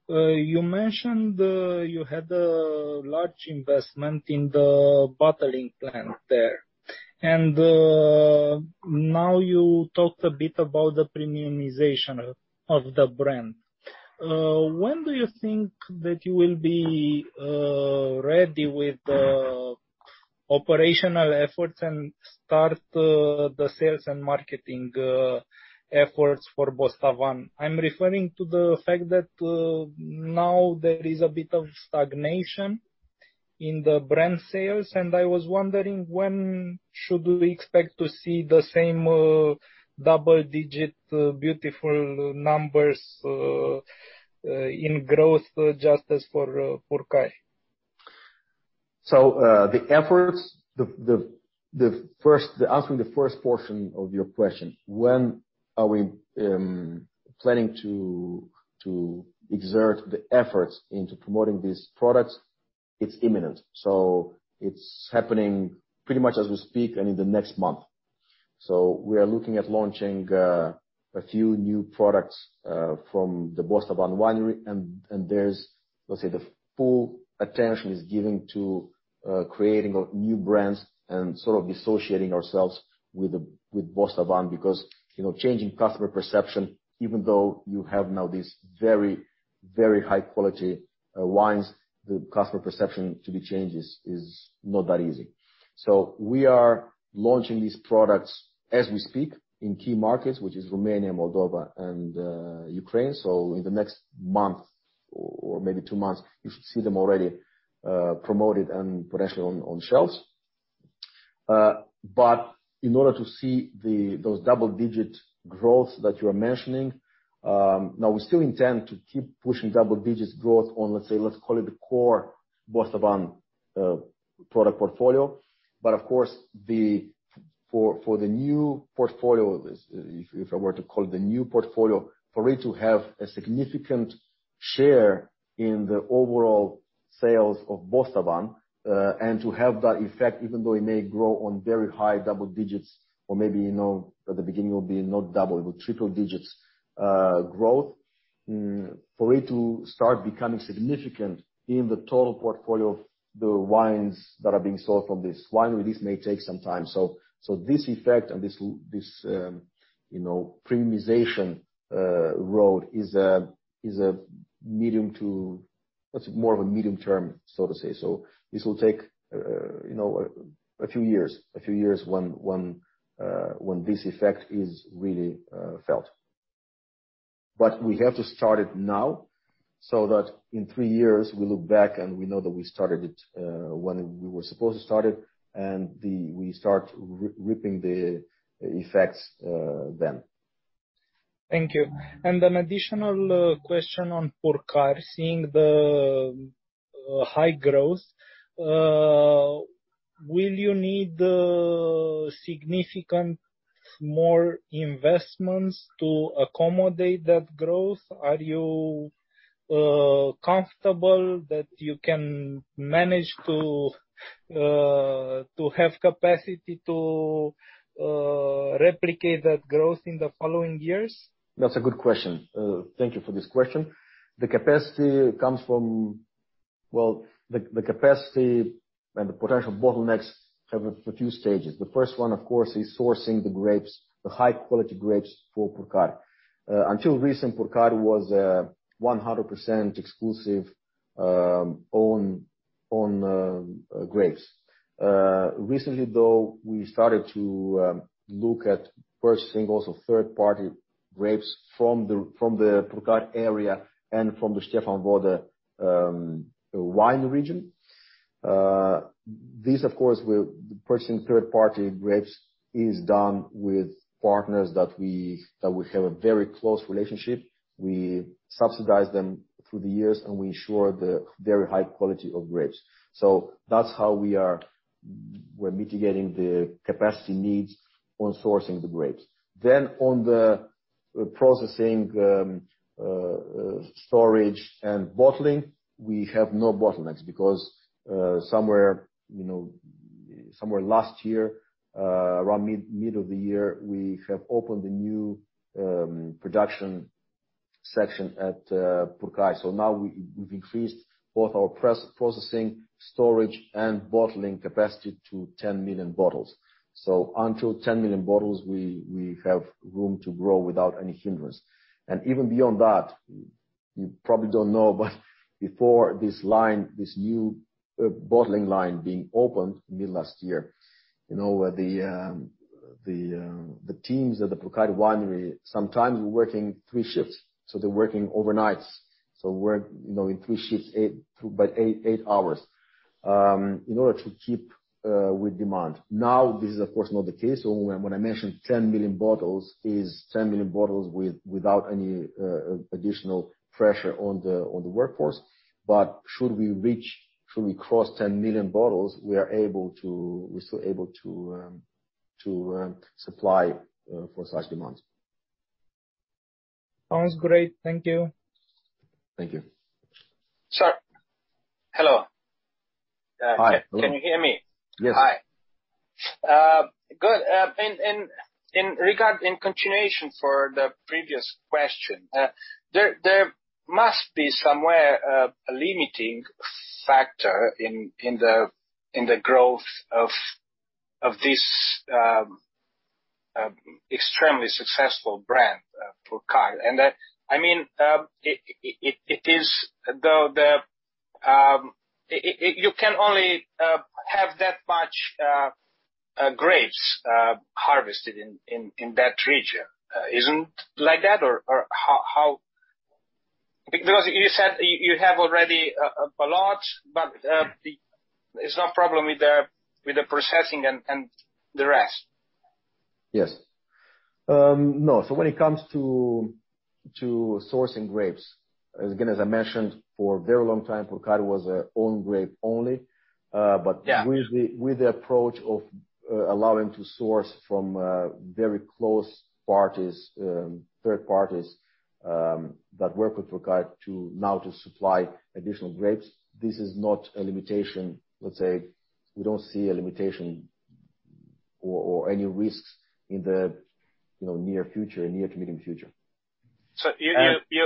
Speaker 4: You mentioned you had a large investment in the bottling plant there. Now you talked a bit about the premiumization of the brand. When do you think that you will be ready with operational efforts and start the sales and marketing efforts for Bostavan? I'm referring to the fact that now there is a bit of stagnation in the brand sales, and I was wondering when should we expect to see the same double-digit beautiful numbers in growth just as for Purcari?
Speaker 1: The efforts, answering the first portion of your question, when are we planning to exert the efforts into promoting these products? It is imminent. It is happening pretty much as we speak and in the next month. We are looking at launching a few new products from the Bostavan Winery, and let's say the full attention is given to creating new brands and sort of dissociating ourselves with Bostavan because changing customer perception, even though you have now these very high quality wines, the customer perception to be changed is not that easy. We are launching these products as we speak in key markets, which is Romania, Moldova and Ukraine. In the next month or maybe two months, you should see them already promoted and potentially on shelves. In order to see those double digit growth that you're mentioning, now we still intend to keep pushing double digits growth on, let's say, let's call it the core Bostavan product portfolio. Of course, for the new portfolio, if I were to call it the new portfolio, for it to have a significant share in the overall sales of Bostavan, and to have that effect, even though it may grow on very high double digits or maybe at the beginning will be not double, it will triple digits growth. For it to start becoming significant in the total portfolio of the wines that are being sold from this winery, this may take some time. This effect and this premiumization road is That's more of a medium term, so to say. This will take a few years when this effect is really felt. We have to start it now, so that in three years we look back and we know that we started it when we were supposed to start it, and we start reaping the effects then.
Speaker 4: Thank you. An additional question on Purcari, seeing the high growth, will you need significant more investments to accommodate that growth? Are you comfortable that you can manage to have capacity to replicate that growth in the following years?
Speaker 1: That's a good question. Thank you for this question. The capacity and the potential bottlenecks have a few stages. The first one, of course, is sourcing the grapes, the high-quality grapes for Purcari. Until recent, Purcari was 100% exclusive own grapes. Recently, though, we started to look at purchasing also third-party grapes from the Purcari area and from the Stefan Voda wine region. This of course, purchasing third-party grapes is done with partners that we have a very close relationship. We subsidize them through the years, and we ensure the very high quality of grapes. That's how we're mitigating the capacity needs on sourcing the grapes. On the processing, storage, and bottling, we have no bottlenecks because somewhere last year, around mid of the year, we have opened a new production section at Purcari. Now we've increased both our processing, storage, and bottling capacity to 10 million bottles. Until 10 million bottles, we have room to grow without any hindrance. Even beyond that, you probably don't know, but before this new bottling line being opened mid last year, the teams at the Purcari Winery, sometimes were working three shifts. They're working overnights. Work in three shifts, but eight hours, in order to keep with demand. This is of course not the case. When I mentioned 10 million bottles, is 10 million bottles without any additional pressure on the workforce. Should we cross 10 million bottles, we're still able to supply for such demands.
Speaker 4: Sounds great. Thank you.
Speaker 1: Thank you.
Speaker 4: Sir. Hello.
Speaker 1: Hi. Hello.
Speaker 4: Can you hear me?
Speaker 1: Yes.
Speaker 4: Hi. Good. In continuation for the previous question, there must be somewhere a limiting factor in the growth of this extremely successful brand, Purcari. You can only have that much grapes harvested in that region. Isn't like that? You said you have already a lot, but there's no problem with the processing and the rest.
Speaker 1: Yes. No. When it comes to sourcing grapes, again, as I mentioned, for a very long time, Purcari was own grape only.
Speaker 4: Yeah.
Speaker 1: With the approach of allowing to source from very close parties, third parties, that work with regard to now to supply additional grapes, this is not a limitation. Let's say we don't see a limitation or any risks in the near to medium future.
Speaker 4: You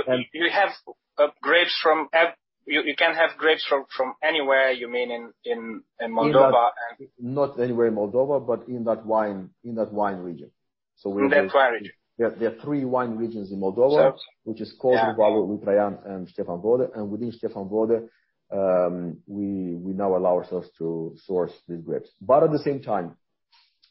Speaker 4: can have grapes from anywhere, you mean in Moldova and?
Speaker 1: Not anywhere in Moldova, but in that wine region.
Speaker 4: In that wine region.
Speaker 1: There are three wine regions in Moldova.
Speaker 4: Yes.
Speaker 1: Which is Codru, Purcari, Valul lui Traian and Stefan Voda. Within Stefan Voda, we now allow ourselves to source these grapes. At the same time,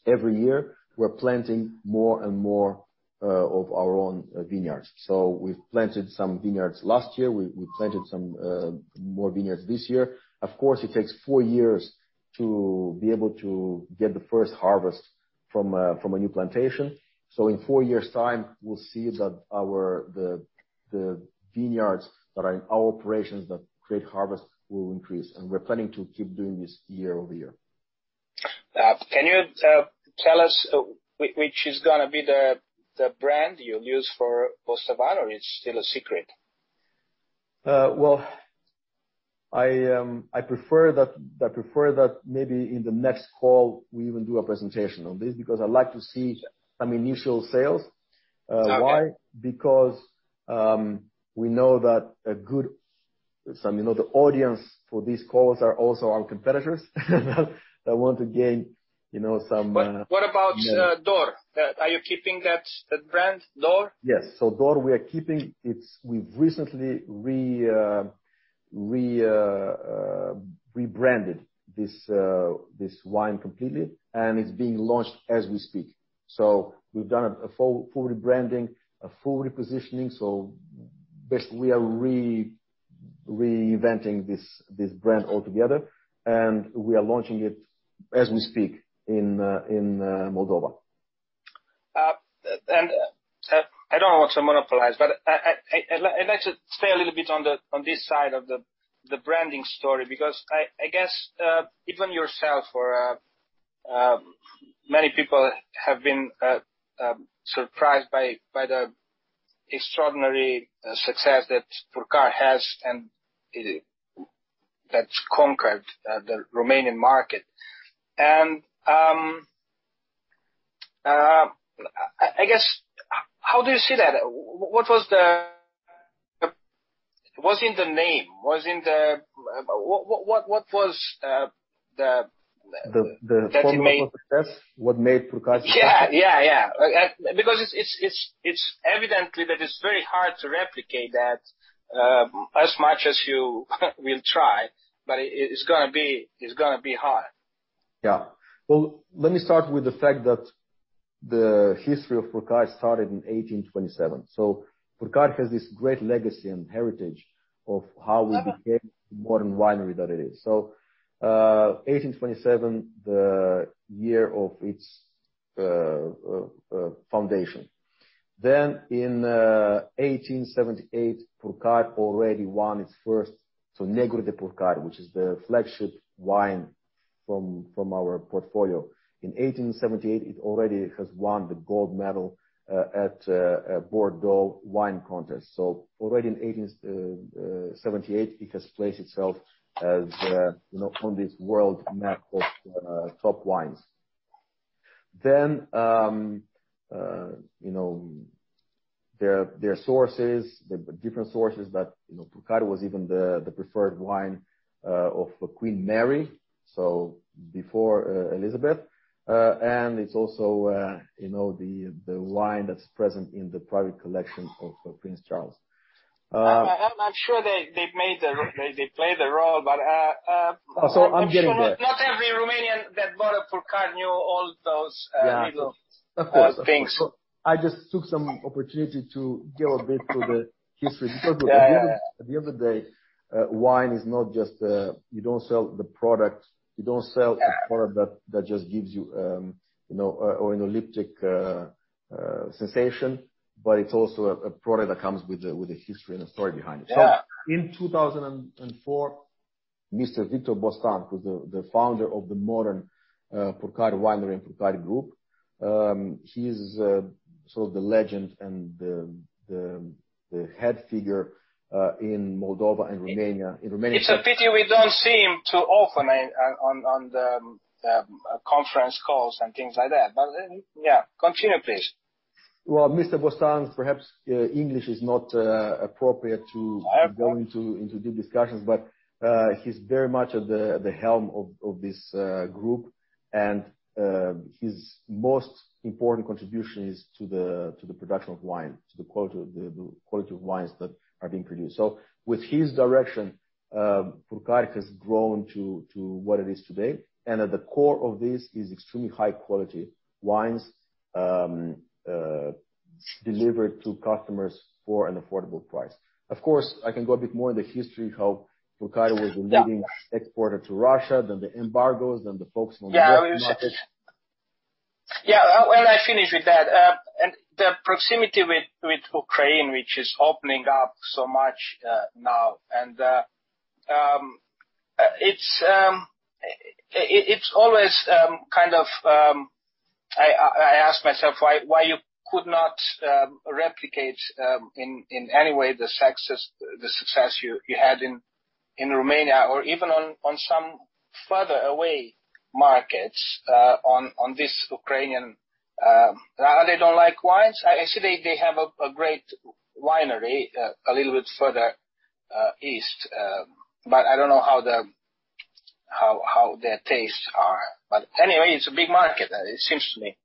Speaker 1: every year we're planting more and more of our own vineyards. We've planted some vineyards last year. We planted some more vineyards this year. Of course, it takes four years to be able to get the first harvest from a new plantation. In four years' time, we'll see that the vineyards that are in our operations that create harvest will increase. We're planning to keep doing this year over year.
Speaker 4: Can you tell us which is going to be the brand you'll use for Bostavan, or it's still a secret?
Speaker 1: I prefer that maybe in the next call, we will do a presentation on this, because I'd like to see some initial sales.
Speaker 4: Okay.
Speaker 1: Why? Because, we know that some of the audience for these calls are also our competitors that want to gain.
Speaker 4: What about Dor? Are you keeping that brand, Dor?
Speaker 1: Yes. Dor, we are keeping. We've recently rebranded this wine completely, and it's being launched as we speak. We've done a full rebranding, a full repositioning. Basically, we are reinventing this brand altogether, and we are launching it as we speak in Moldova.
Speaker 4: I don't want to monopolize, but I'd like to stay a little bit on this side of the branding story, because I guess, even yourself or many people have been surprised by the extraordinary success that Purcari has, and that's conquered the Romanian market. I guess, how do you see that? Was it the name?
Speaker 1: The formula for success? What made Purcari successful?
Speaker 4: Yeah. It's evidently that it's very hard to replicate that, as much as you will try, but it's going to be hard.
Speaker 1: Well, let me start with the fact that the history of Purcari started in 1827. Purcari has this great legacy and heritage of how we became the modern winery that it is. 1827, the year of its foundation. In 1878, Purcari already won its first Negru de Purcari, which is the flagship wine from our portfolio. In 1878, it already has won the gold medal at Bordeaux wine contest. Already in 1878, it has placed itself on this world map of top wines. There are different sources that Purcari was even the preferred wine of Queen Mary, so before Elizabeth. It's also the wine that's present in the private collection of Prince Charles.
Speaker 4: I'm sure they played a role.
Speaker 1: I'm getting there.
Speaker 4: I'm sure not every Romanian that bought a Purcari knew all those little things.
Speaker 1: Of course. I just took some opportunity to go a bit through the history.
Speaker 4: Yeah.
Speaker 1: At the end of the day, wine is not just, you don't sell the product, you don't sell a product that just gives you an olfactory sensation, but it's also a product that comes with a history and a story behind it.
Speaker 4: Yeah.
Speaker 1: In 2004, Mr. Victor Bostan, who's the founder of the modern Purcari Winery and Purcari Group, he's sort of the legend and the head figure in Moldova and Romania.
Speaker 4: It's a pity we don't see him too often on the conference calls and things like that. Continue, please.
Speaker 1: Well, Mr. Bostan, perhaps English is not appropriate.
Speaker 4: Of course.
Speaker 1: -go into deep discussions, he's very much at the helm of this group. His most important contribution is to the production of wine, to the quality of wines that are being produced. With his direction, Purcari has grown to what it is today, and at the core of this is extremely high-quality wines delivered to customers for an affordable price. Of course, I can go a bit more in the history how Purcari was the leading exporter to Russia, then the embargoes, then the focus on the Russian market.
Speaker 4: Yeah. Well, I finish with that. The proximity with Ukraine, which is opening up so much now, I ask myself why you could not replicate in any way the success you had in Romania, or even on some further away markets on this Ukrainian They don't like wines? I see they have a great winery a little bit further east, but I don't know how their tastes are. Anyway, it's a big market, it seems to me.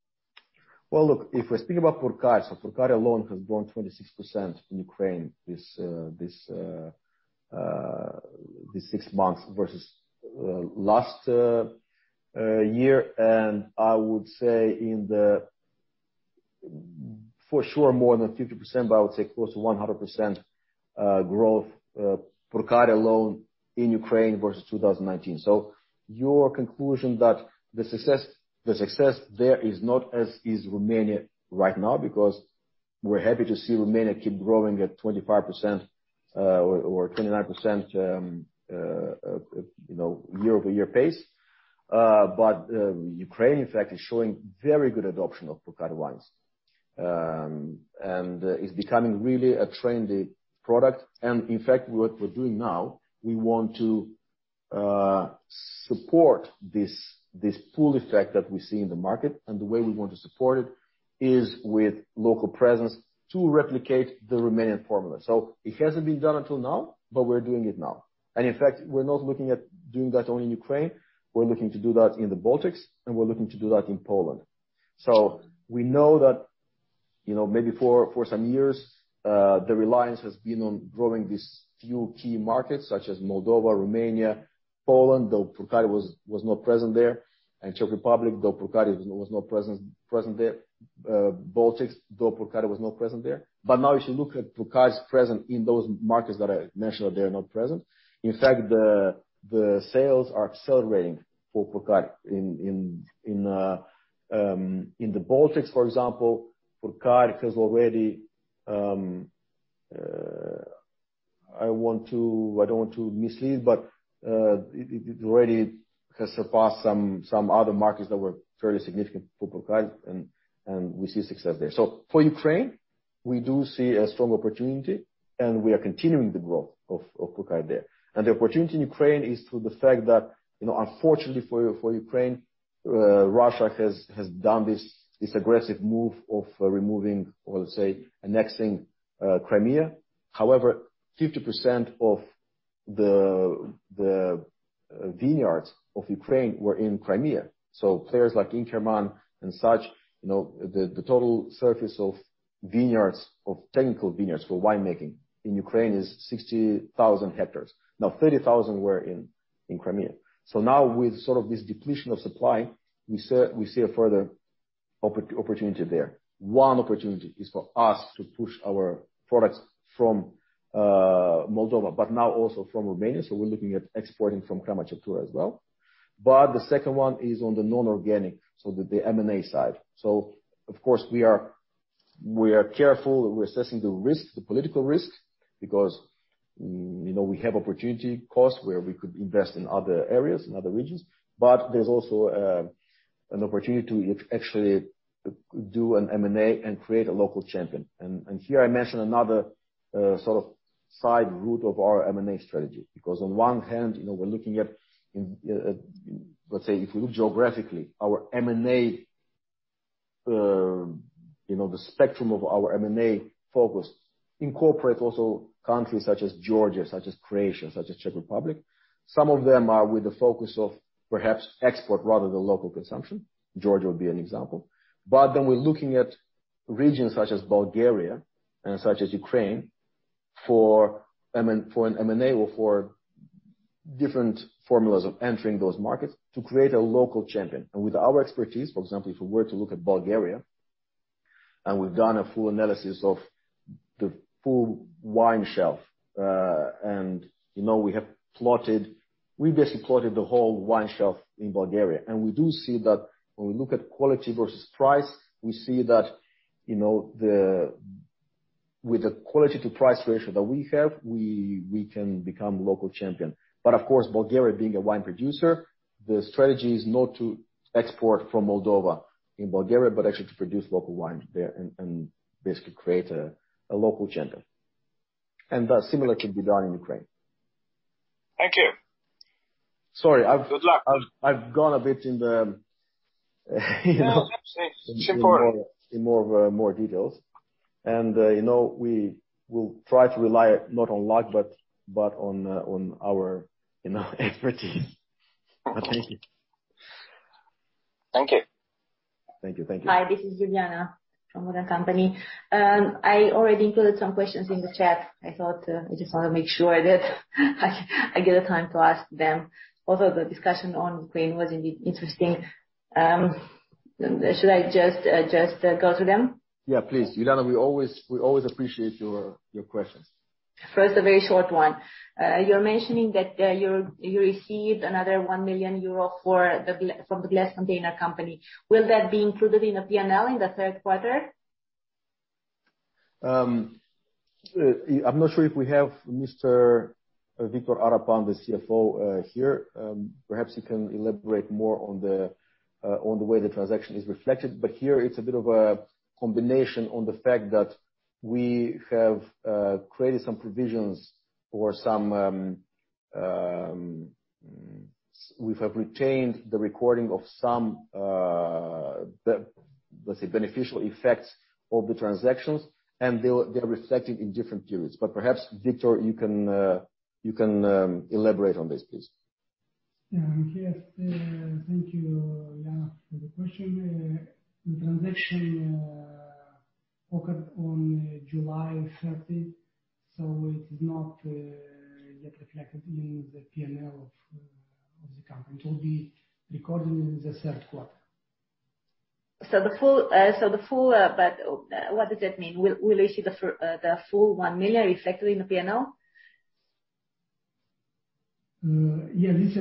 Speaker 1: Well, look, if we speak about Purcari alone has grown 26% in Ukraine these six months versus last year. I would say for sure more than 50%, I would say close to 100% growth, Purcari alone in Ukraine versus 2019. Your conclusion that the success there is not as is Romania right now, because we're happy to see Romania keep growing at 25% or 29% year-over-year pace. Ukraine, in fact, is showing very good adoption of Purcari wines. Is becoming really a trendy product. In fact, what we're doing now, we want to support this pool effect that we see in the market, and the way we want to support it is with local presence to replicate the Romanian formula. It hasn't been done until now, we're doing it now. In fact, we're not looking at doing that only in Ukraine. We're looking to do that in the Baltics, and we're looking to do that in Poland. We know that maybe for some years, the reliance has been on growing these few key markets, such as Moldova, Romania, Poland, though Purcari was not present there, and Czech Republic, though Purcari was not present there, Baltics, though Purcari was not present there. Now, if you look at Purcari's presence in those markets that I mentioned that they're not present, in fact, the sales are accelerating for Purcari in the Baltics, for example. Purcari has already I don't want to mislead, but it already has surpassed some other markets that were fairly significant for Purcari, and we see success there. For Ukraine, we do see a strong opportunity, and we are continuing the growth of Purcari there. The opportunity in Ukraine is through the fact that, unfortunately for Ukraine, Russia has done this aggressive move of removing, or let's say annexing Crimea. However, 50% of the vineyards of Ukraine were in Crimea. Players like Inkerman and such, the total surface of technical vineyards for wine making in Ukraine is 60,000 hectares. Now, 30,000 were in Crimea. Now with this depletion of supply, we see a further opportunity there. One opportunity is for us to push our products from Moldova, but now also from Romania. We're looking at exporting from Crame de Cotnari as well. The second one is on the non-organic, so the M&A side. Of course, we are careful. We're assessing the risk, the political risk, because we have opportunity costs where we could invest in other areas, in other regions, but there's also an opportunity to actually do an M&A and create a local champion. Here I mention another side route of our M&A strategy because, on one hand, we're looking at, let's say if we look geographically, the spectrum of our M&A focus incorporates also countries such as Georgia, such as Croatia, such as Czech Republic. Some of them are with the focus of perhaps export rather than local consumption. Georgia would be an example. Then we're looking at regions such as Bulgaria and such as Ukraine for an M&A or for different formulas of entering those markets to create a local champion. With our expertise, for example, if we were to look at Bulgaria and we've done a full analysis of the full wine shelf, and we basically plotted the whole wine shelf in Bulgaria. We do see that when we look at quality versus price, we see that with the quality to price ratio that we have, we can become the local champion. Of course, Bulgaria being a wine producer, the strategy is not to export from Moldova in Bulgaria, but actually to produce local wine there and basically create a local champion. That similar can be done in Ukraine.
Speaker 4: Thank you.
Speaker 1: Sorry.
Speaker 4: Good luck.
Speaker 1: I've gone a bit in the.
Speaker 4: No, that's it. It's important.
Speaker 1: In more of details. We will try to rely not on luck, but on our expertise. Thank you.
Speaker 4: Thank you.
Speaker 1: Thank you.
Speaker 5: Hi, this is Juliana from Modern Company. I already included some questions in the chat. I just want to make sure that I get the time to ask them. The discussion on Ukraine was indeed interesting. Should I just go through them?
Speaker 1: Yeah, please. Juliana, we always appreciate your questions.
Speaker 5: First, a very short one. You're mentioning that you received another 1 million euro from the Glass Container Company. Will that be included in the P&L in the third quarter?
Speaker 1: I'm not sure if we have Mr. Victor Arapan, the CFO here. Perhaps he can elaborate more on the way the transaction is reflected, here it's a bit of a combination on the fact that we have created some provisions. We have retained the recording of some, let's say, beneficial effects of the transactions, and they're reflected in different periods. Perhaps, Victor, you can elaborate on this, pleas.
Speaker 6: Yeah. Thank you, Juliana, for the question. The transaction occurred on July 30, so it is not yet reflected in the P&L of the company. It will be recorded in the third quarter.
Speaker 5: What does that mean? Will you see the full RON 1 million reflected in the P&L? Yeah.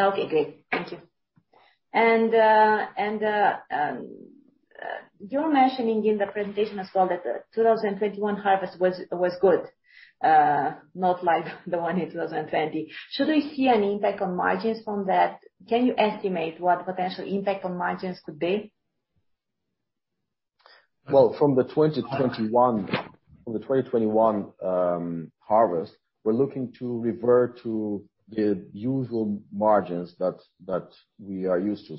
Speaker 5: Okay, great. Thank you. You were mentioning in the presentation as well that the 2021 harvest was good, not like the one in 2020. Should we see an impact on margins from that? Can you estimate what potential impact on margins could be?
Speaker 1: Well, from the 2021 harvest, we're looking to revert to the usual margins that we are used to.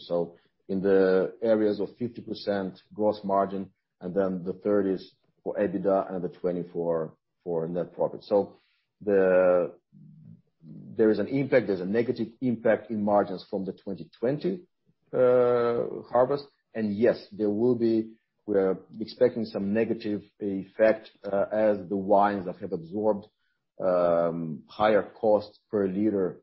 Speaker 1: In the areas of 50% gross margin, then the 30s for EBITDA and the 24 for net profit. There is a negative impact in margins from the 2020 harvest and yes, we're expecting some negative effect, as the wines that have absorbed higher cost per liter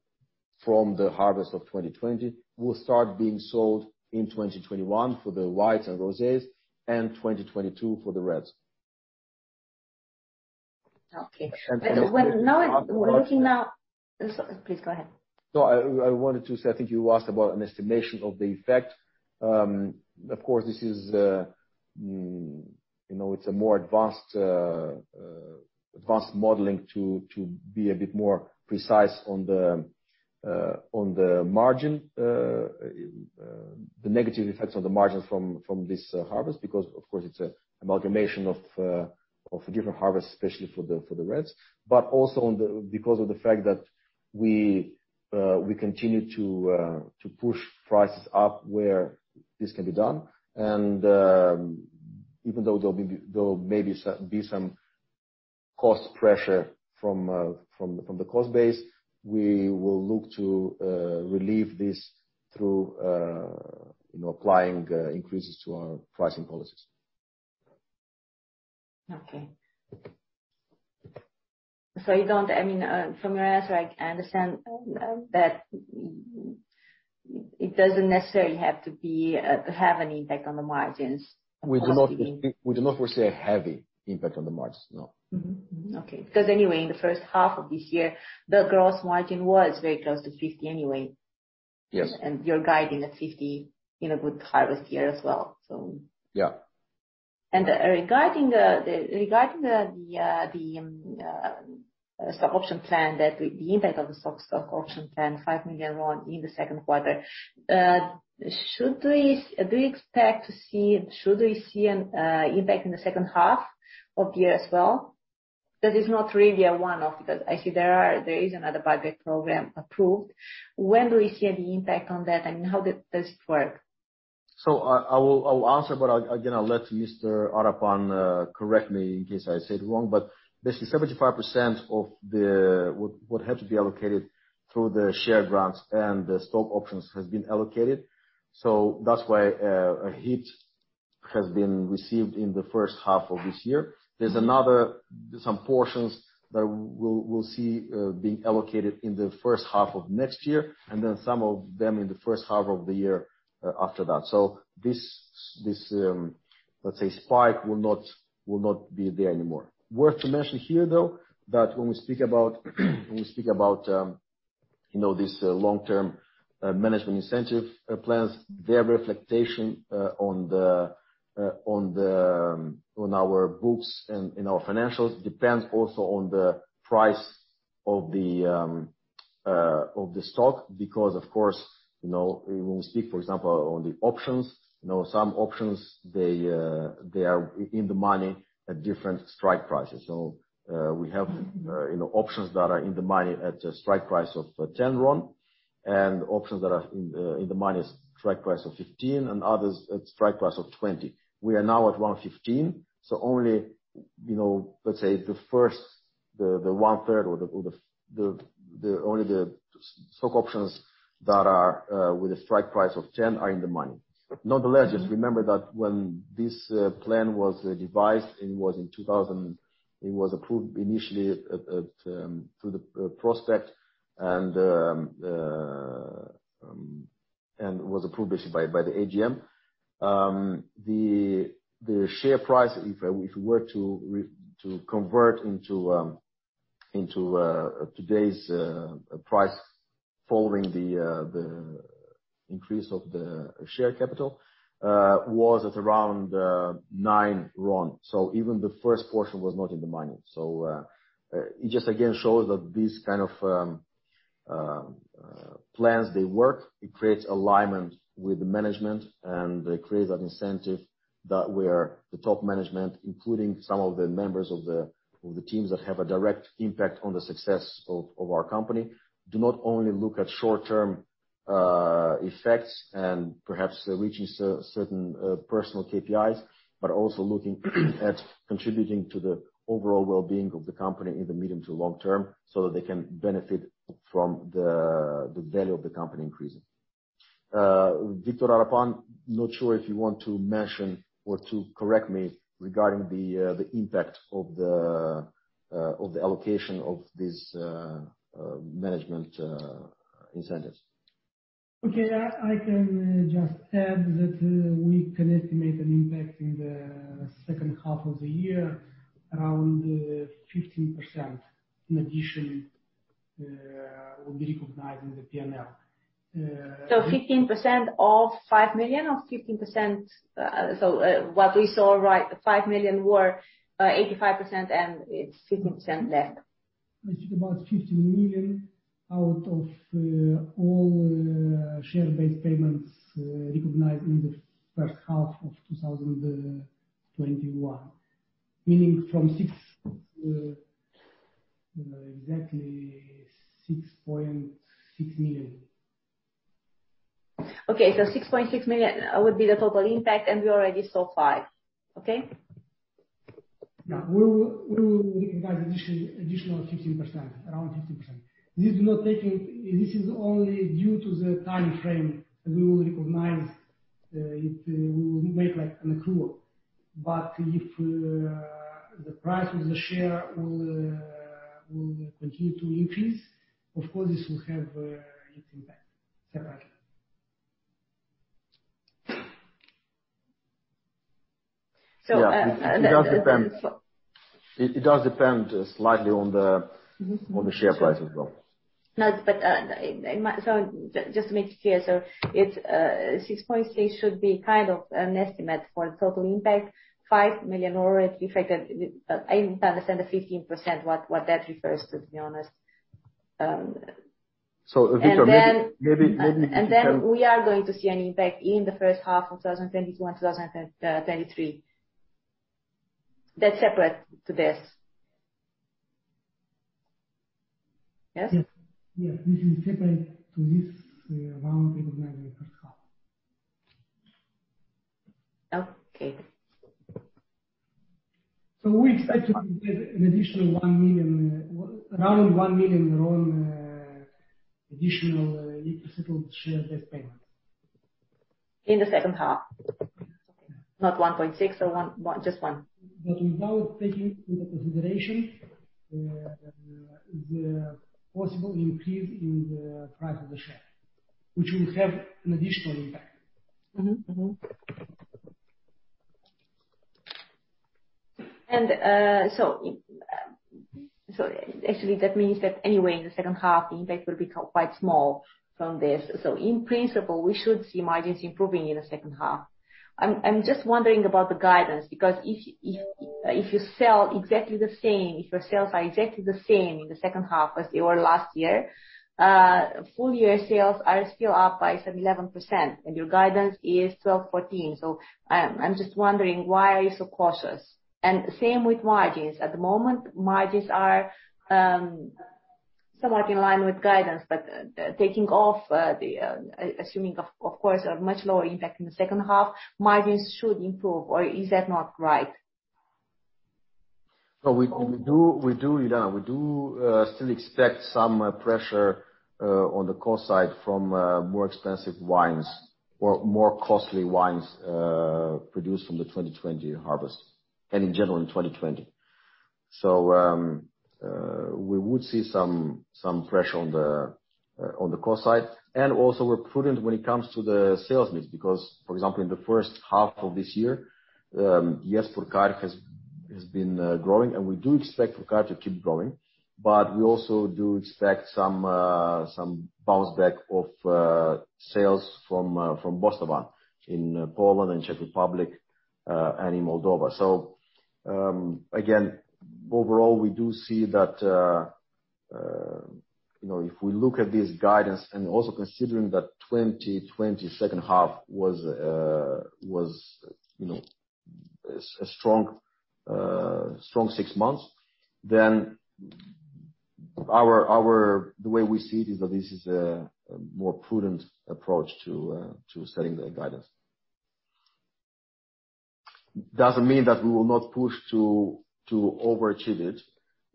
Speaker 1: from the harvest of 2020 will start being sold in 2021 for the whites and roses and 2022 for the reds.
Speaker 5: Okay. Please go ahead.
Speaker 1: I wanted to say, I think you asked about an estimation of the effect. Of course, it's a more advanced modeling to be a bit more precise on the margin, the negative effects on the margins from this harvest, because of course it's an amalgamation of different harvests, especially for the reds. Also because of the fact that we continue to push prices up where this can be done. Even though there may be some cost pressure from the cost base, we will look to relieve this through applying increases to our pricing policies.
Speaker 5: Okay. From your answer, I understand that it doesn't necessarily have to have an impact on the margins.
Speaker 1: We do not foresee a heavy impact on the margins, no.
Speaker 5: Mm-hmm. Okay. Anyway, in the first half of this year, the gross margin was very close to 50% anyway.
Speaker 1: Yes.
Speaker 5: You're guiding at RON 50 in a good harvest year as well.
Speaker 1: Yeah.
Speaker 5: Regarding the stock option plan, the impact of the stock option plan, RON 5 million in the second quarter, do you expect to see, should we see an impact in the second half of the year as well? That is not really a one-off, because I see there is another budget program approved. When do we see the impact on that, and how does it work?
Speaker 1: I will answer, but again, I'll let Mr. Arapan correct me in case I said it wrong. Basically 75% of what had to be allocated through the share grants and the stock options has been allocated. That's why a hit has been received in the first half of this year. There's another, some portions that we'll see being allocated in the first half of next year, and then some of them in the first half of the year after that. This, let's say, spike will not be there anymore. Worth to mention here, though, that when we speak about this long-term management incentive plans, their reflection on our books and in our financials depends also on the price of the stock, because, of course, when we speak, for example, on the options, some options, they are in the money at different strike prices. We have options that are in the money at a strike price of RON 10, and options that are in the money strike price of RON 15, and others at strike price of RON 20. We are now at RON 115. Only, let's say the first, the one-third, only the stock options that are with a strike price of RON 10 are in the money. Nonetheless, just remember that when this plan was devised, it was approved initially through the prospect and was approved by the AGM. The share price, if we were to convert into today's price following the increase of the share capital, was at around RON nine. Even the first portion was not in the money. It just again shows that these kind of plans, they work. It creates alignment with management, and it creates that incentive that we are the top management, including some of the members of the teams that have a direct impact on the success of our company. Do not only look at short-term effects and perhaps reaching certain personal KPIs, but also looking at contributing to the overall well-being of the company in the medium to long term, so that they can benefit from the value of the company increasing. Victor Arapan, not sure if you want to mention or to correct me regarding the impact of the allocation of these management incentives.
Speaker 6: Okay. I can just add that we can estimate an impact in the second half of the year, around 15%, in addition will be recognized in the P&L.
Speaker 5: 15% of RON 5 million, or 15%. What we saw, right, the RON 5 million were 85%, and it is 15% left.
Speaker 6: It's about RON 15 million out of all share-based payments recognized in the first half of 2021. Meaning from 6, exactly RON 6.6 million.
Speaker 5: Okay. RON 6.6 million would be the total impact, and we already saw RON 5 million. Okay?
Speaker 6: Yeah. We will recognize additional 15%, around 15%. This is only due to the time frame we will recognize it. We will make an accrual. If the price of the share will continue to increase, of course, this will have its impact separately.
Speaker 5: So, uh-
Speaker 1: Yeah. It does depend slightly on the share price as well.
Speaker 5: Just to make it clear, it's RON 6.6 should be kind of an estimate for the total impact. RON 5 million already reflected. I don't understand the 15%, what that refers to be honest.
Speaker 1: Victor, maybe you can-
Speaker 5: We are going to see an impact in the first half of 2022 and 2023. That's separate to this. Yes?
Speaker 6: Yes. This is separate to this round recognized in the first half.
Speaker 5: Okay.
Speaker 6: We expect to complete around RON 1 million additional unsettled share-based payment.
Speaker 5: In the second half?
Speaker 6: Yeah.
Speaker 5: Not 1.6 or one, just one.
Speaker 6: Without taking into consideration the possible increase in the price of the share, which will have an additional impact.
Speaker 5: Actually that means that anyway in the second half, the impact will become quite small from this. In principle, we should see margins improving in the second half. I'm just wondering about the guidance, because if your sales are exactly the same in the second half as they were last year, full year sales are still up by 11%, and your guidance is 12%-14%. I'm just wondering, why are you so cautious? Same with margins. At the moment, margins are somewhat in line with guidance, but taking off, assuming of course, a much lower impact in the second half, margins should improve. Is that not right?
Speaker 1: We do, Juliana, we do still expect some pressure on the cost side from more expensive wines or more costly wines produced from the 2020 harvest, and in general in 2020. We would see some pressure on the cost side. Also we're prudent when it comes to the sales mix, because, for example, in the first half of this year, yes, Purcari has been growing, and we do expect Purcari to keep growing. We also do expect some bounce back of sales from Bostavan in Poland and Czech Republic, and in Moldova. Again, overall, we do see that if we look at this guidance and also considering that 2020 second half was a strong six months, then the way we see it is that this is a more prudent approach to setting the guidance. Doesn't mean that we will not push to overachieve it,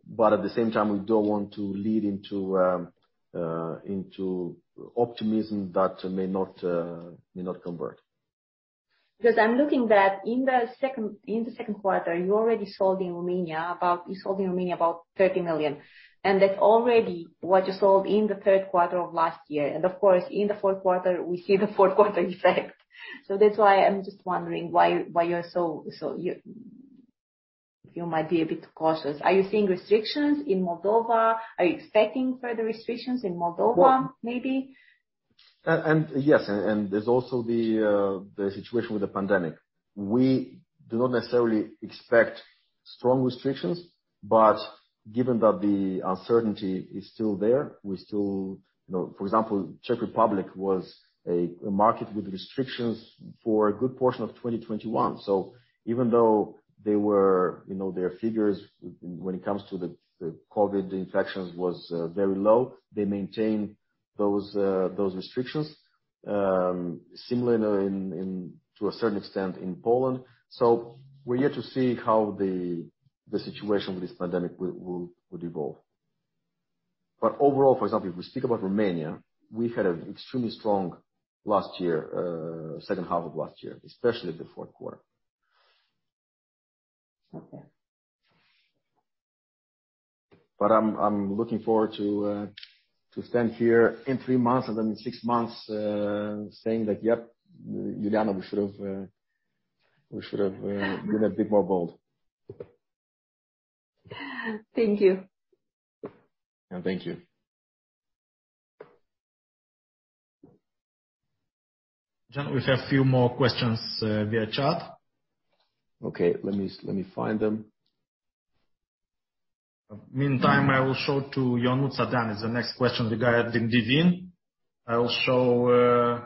Speaker 1: but at the same time, we don't want to lead into optimism that may not convert.
Speaker 5: I'm looking that in the second quarter, you already sold in Romania about RON 30 million. That's already what you sold in the third quarter of last year. Of course, in the fourth quarter, we see the fourth quarter effect. That's why I'm just wondering why you might be a bit cautious. Are you seeing restrictions in Moldova? Are you expecting further restrictions in Moldova, maybe?
Speaker 1: Yes, there's also the situation with the pandemic. We do not necessarily expect strong restrictions, given that the uncertainty is still there. For example, Czech Republic was a market with restrictions for a good portion of 2021. Even though their figures when it comes to the COVID infections was very low, they maintained those restrictions. Similar to a certain extent in Poland. We're yet to see how the situation with this pandemic will evolve. Overall, for example, if we speak about Romania, we've had an extremely strong last year, 2nd half of last year, especially the fourth quarter.
Speaker 5: Okay.
Speaker 1: I'm looking forward to stand here in three months and then in six months, saying that, Yep, Juliana, we should have been a bit more bold.
Speaker 5: Thank you.
Speaker 1: Thank you.
Speaker 2: Gen, we have a few more questions via chat.
Speaker 1: Okay. Let me find them.
Speaker 2: Meantime, I will show to Ionut Sadan, is the next question, the guy at Divin. I will show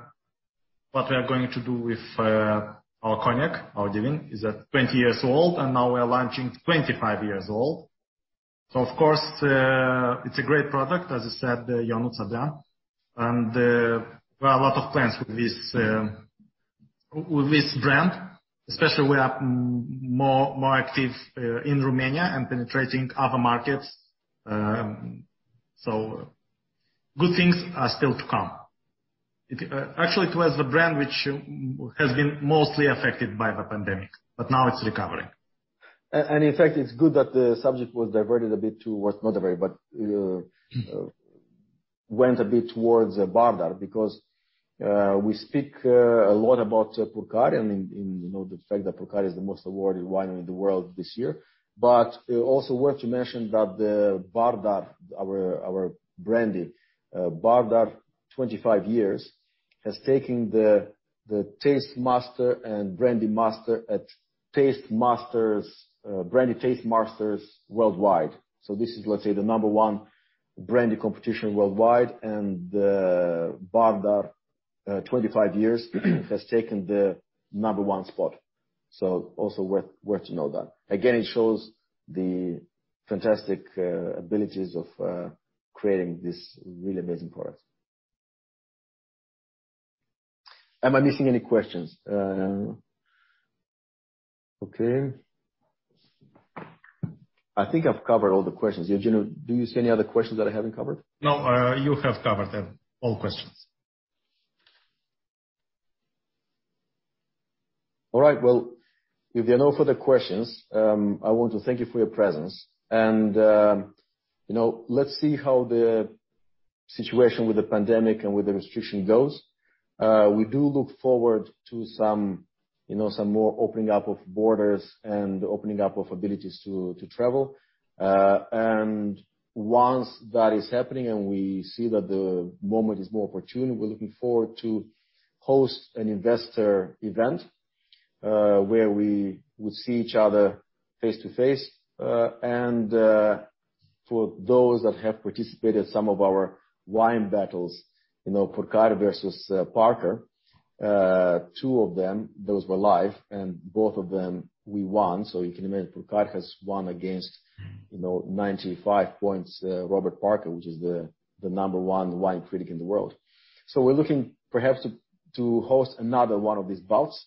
Speaker 2: what we are going to do with our cognac. Our Divin is at 20 years old, and now we're launching 25 years old. Of course, it's a great product, as I said, Ionut Sadan. We have a lot of plans with this brand, especially we are more active in Romania and penetrating other markets. Good things are still to come. Actually, it was the brand which has been mostly affected by the pandemic, but now it's recovering.
Speaker 1: In fact, it's good that the subject was diverted a bit to what's not very, but went a bit towards Bardar because we speak a lot about Purcari and the fact that Purcari is the most awarded winery in the world this year. Also worth to mention that Bardar, our brandy, Bardar 25 years, has taken the Taste Master and Brandy Master at Brandy Taste Masters worldwide. This is, let's say, the number 1 brandy competition worldwide, and Bardar 25 years has taken the number 1 spot. Also worth to know that. Again, it shows the fantastic abilities of creating this really amazing product. Am I missing any questions? Okay. I think I've covered all the questions. Eugeniu, do you see any other questions that I haven't covered?
Speaker 2: No, you have covered all questions.
Speaker 1: All right. If there are no further questions, I want to thank you for your presence. Let's see how the situation with the pandemic and with the restriction goes. We do look forward to some more opening up of borders and opening up of abilities to travel. Once that is happening and we see that the moment is more opportune, we're looking forward to host an investor event, where we would see each other face-to-face. For those that have participated in some of our wine battles, Purcari versus Parker. Two of them, those were live, and both of them, we won. You can imagine, Purcari has won against 95 points, Robert Parker, which is the number one wine critic in the world. We're looking perhaps to host another one of these bouts.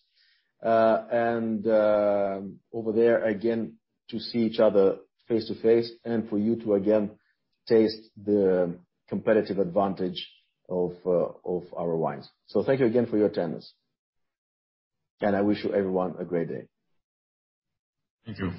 Speaker 1: Over there, again, to see each other face-to-face and for you to again taste the competitive advantage of our wines. Thank you again for your attendance. I wish you everyone a great day.
Speaker 2: Thank you.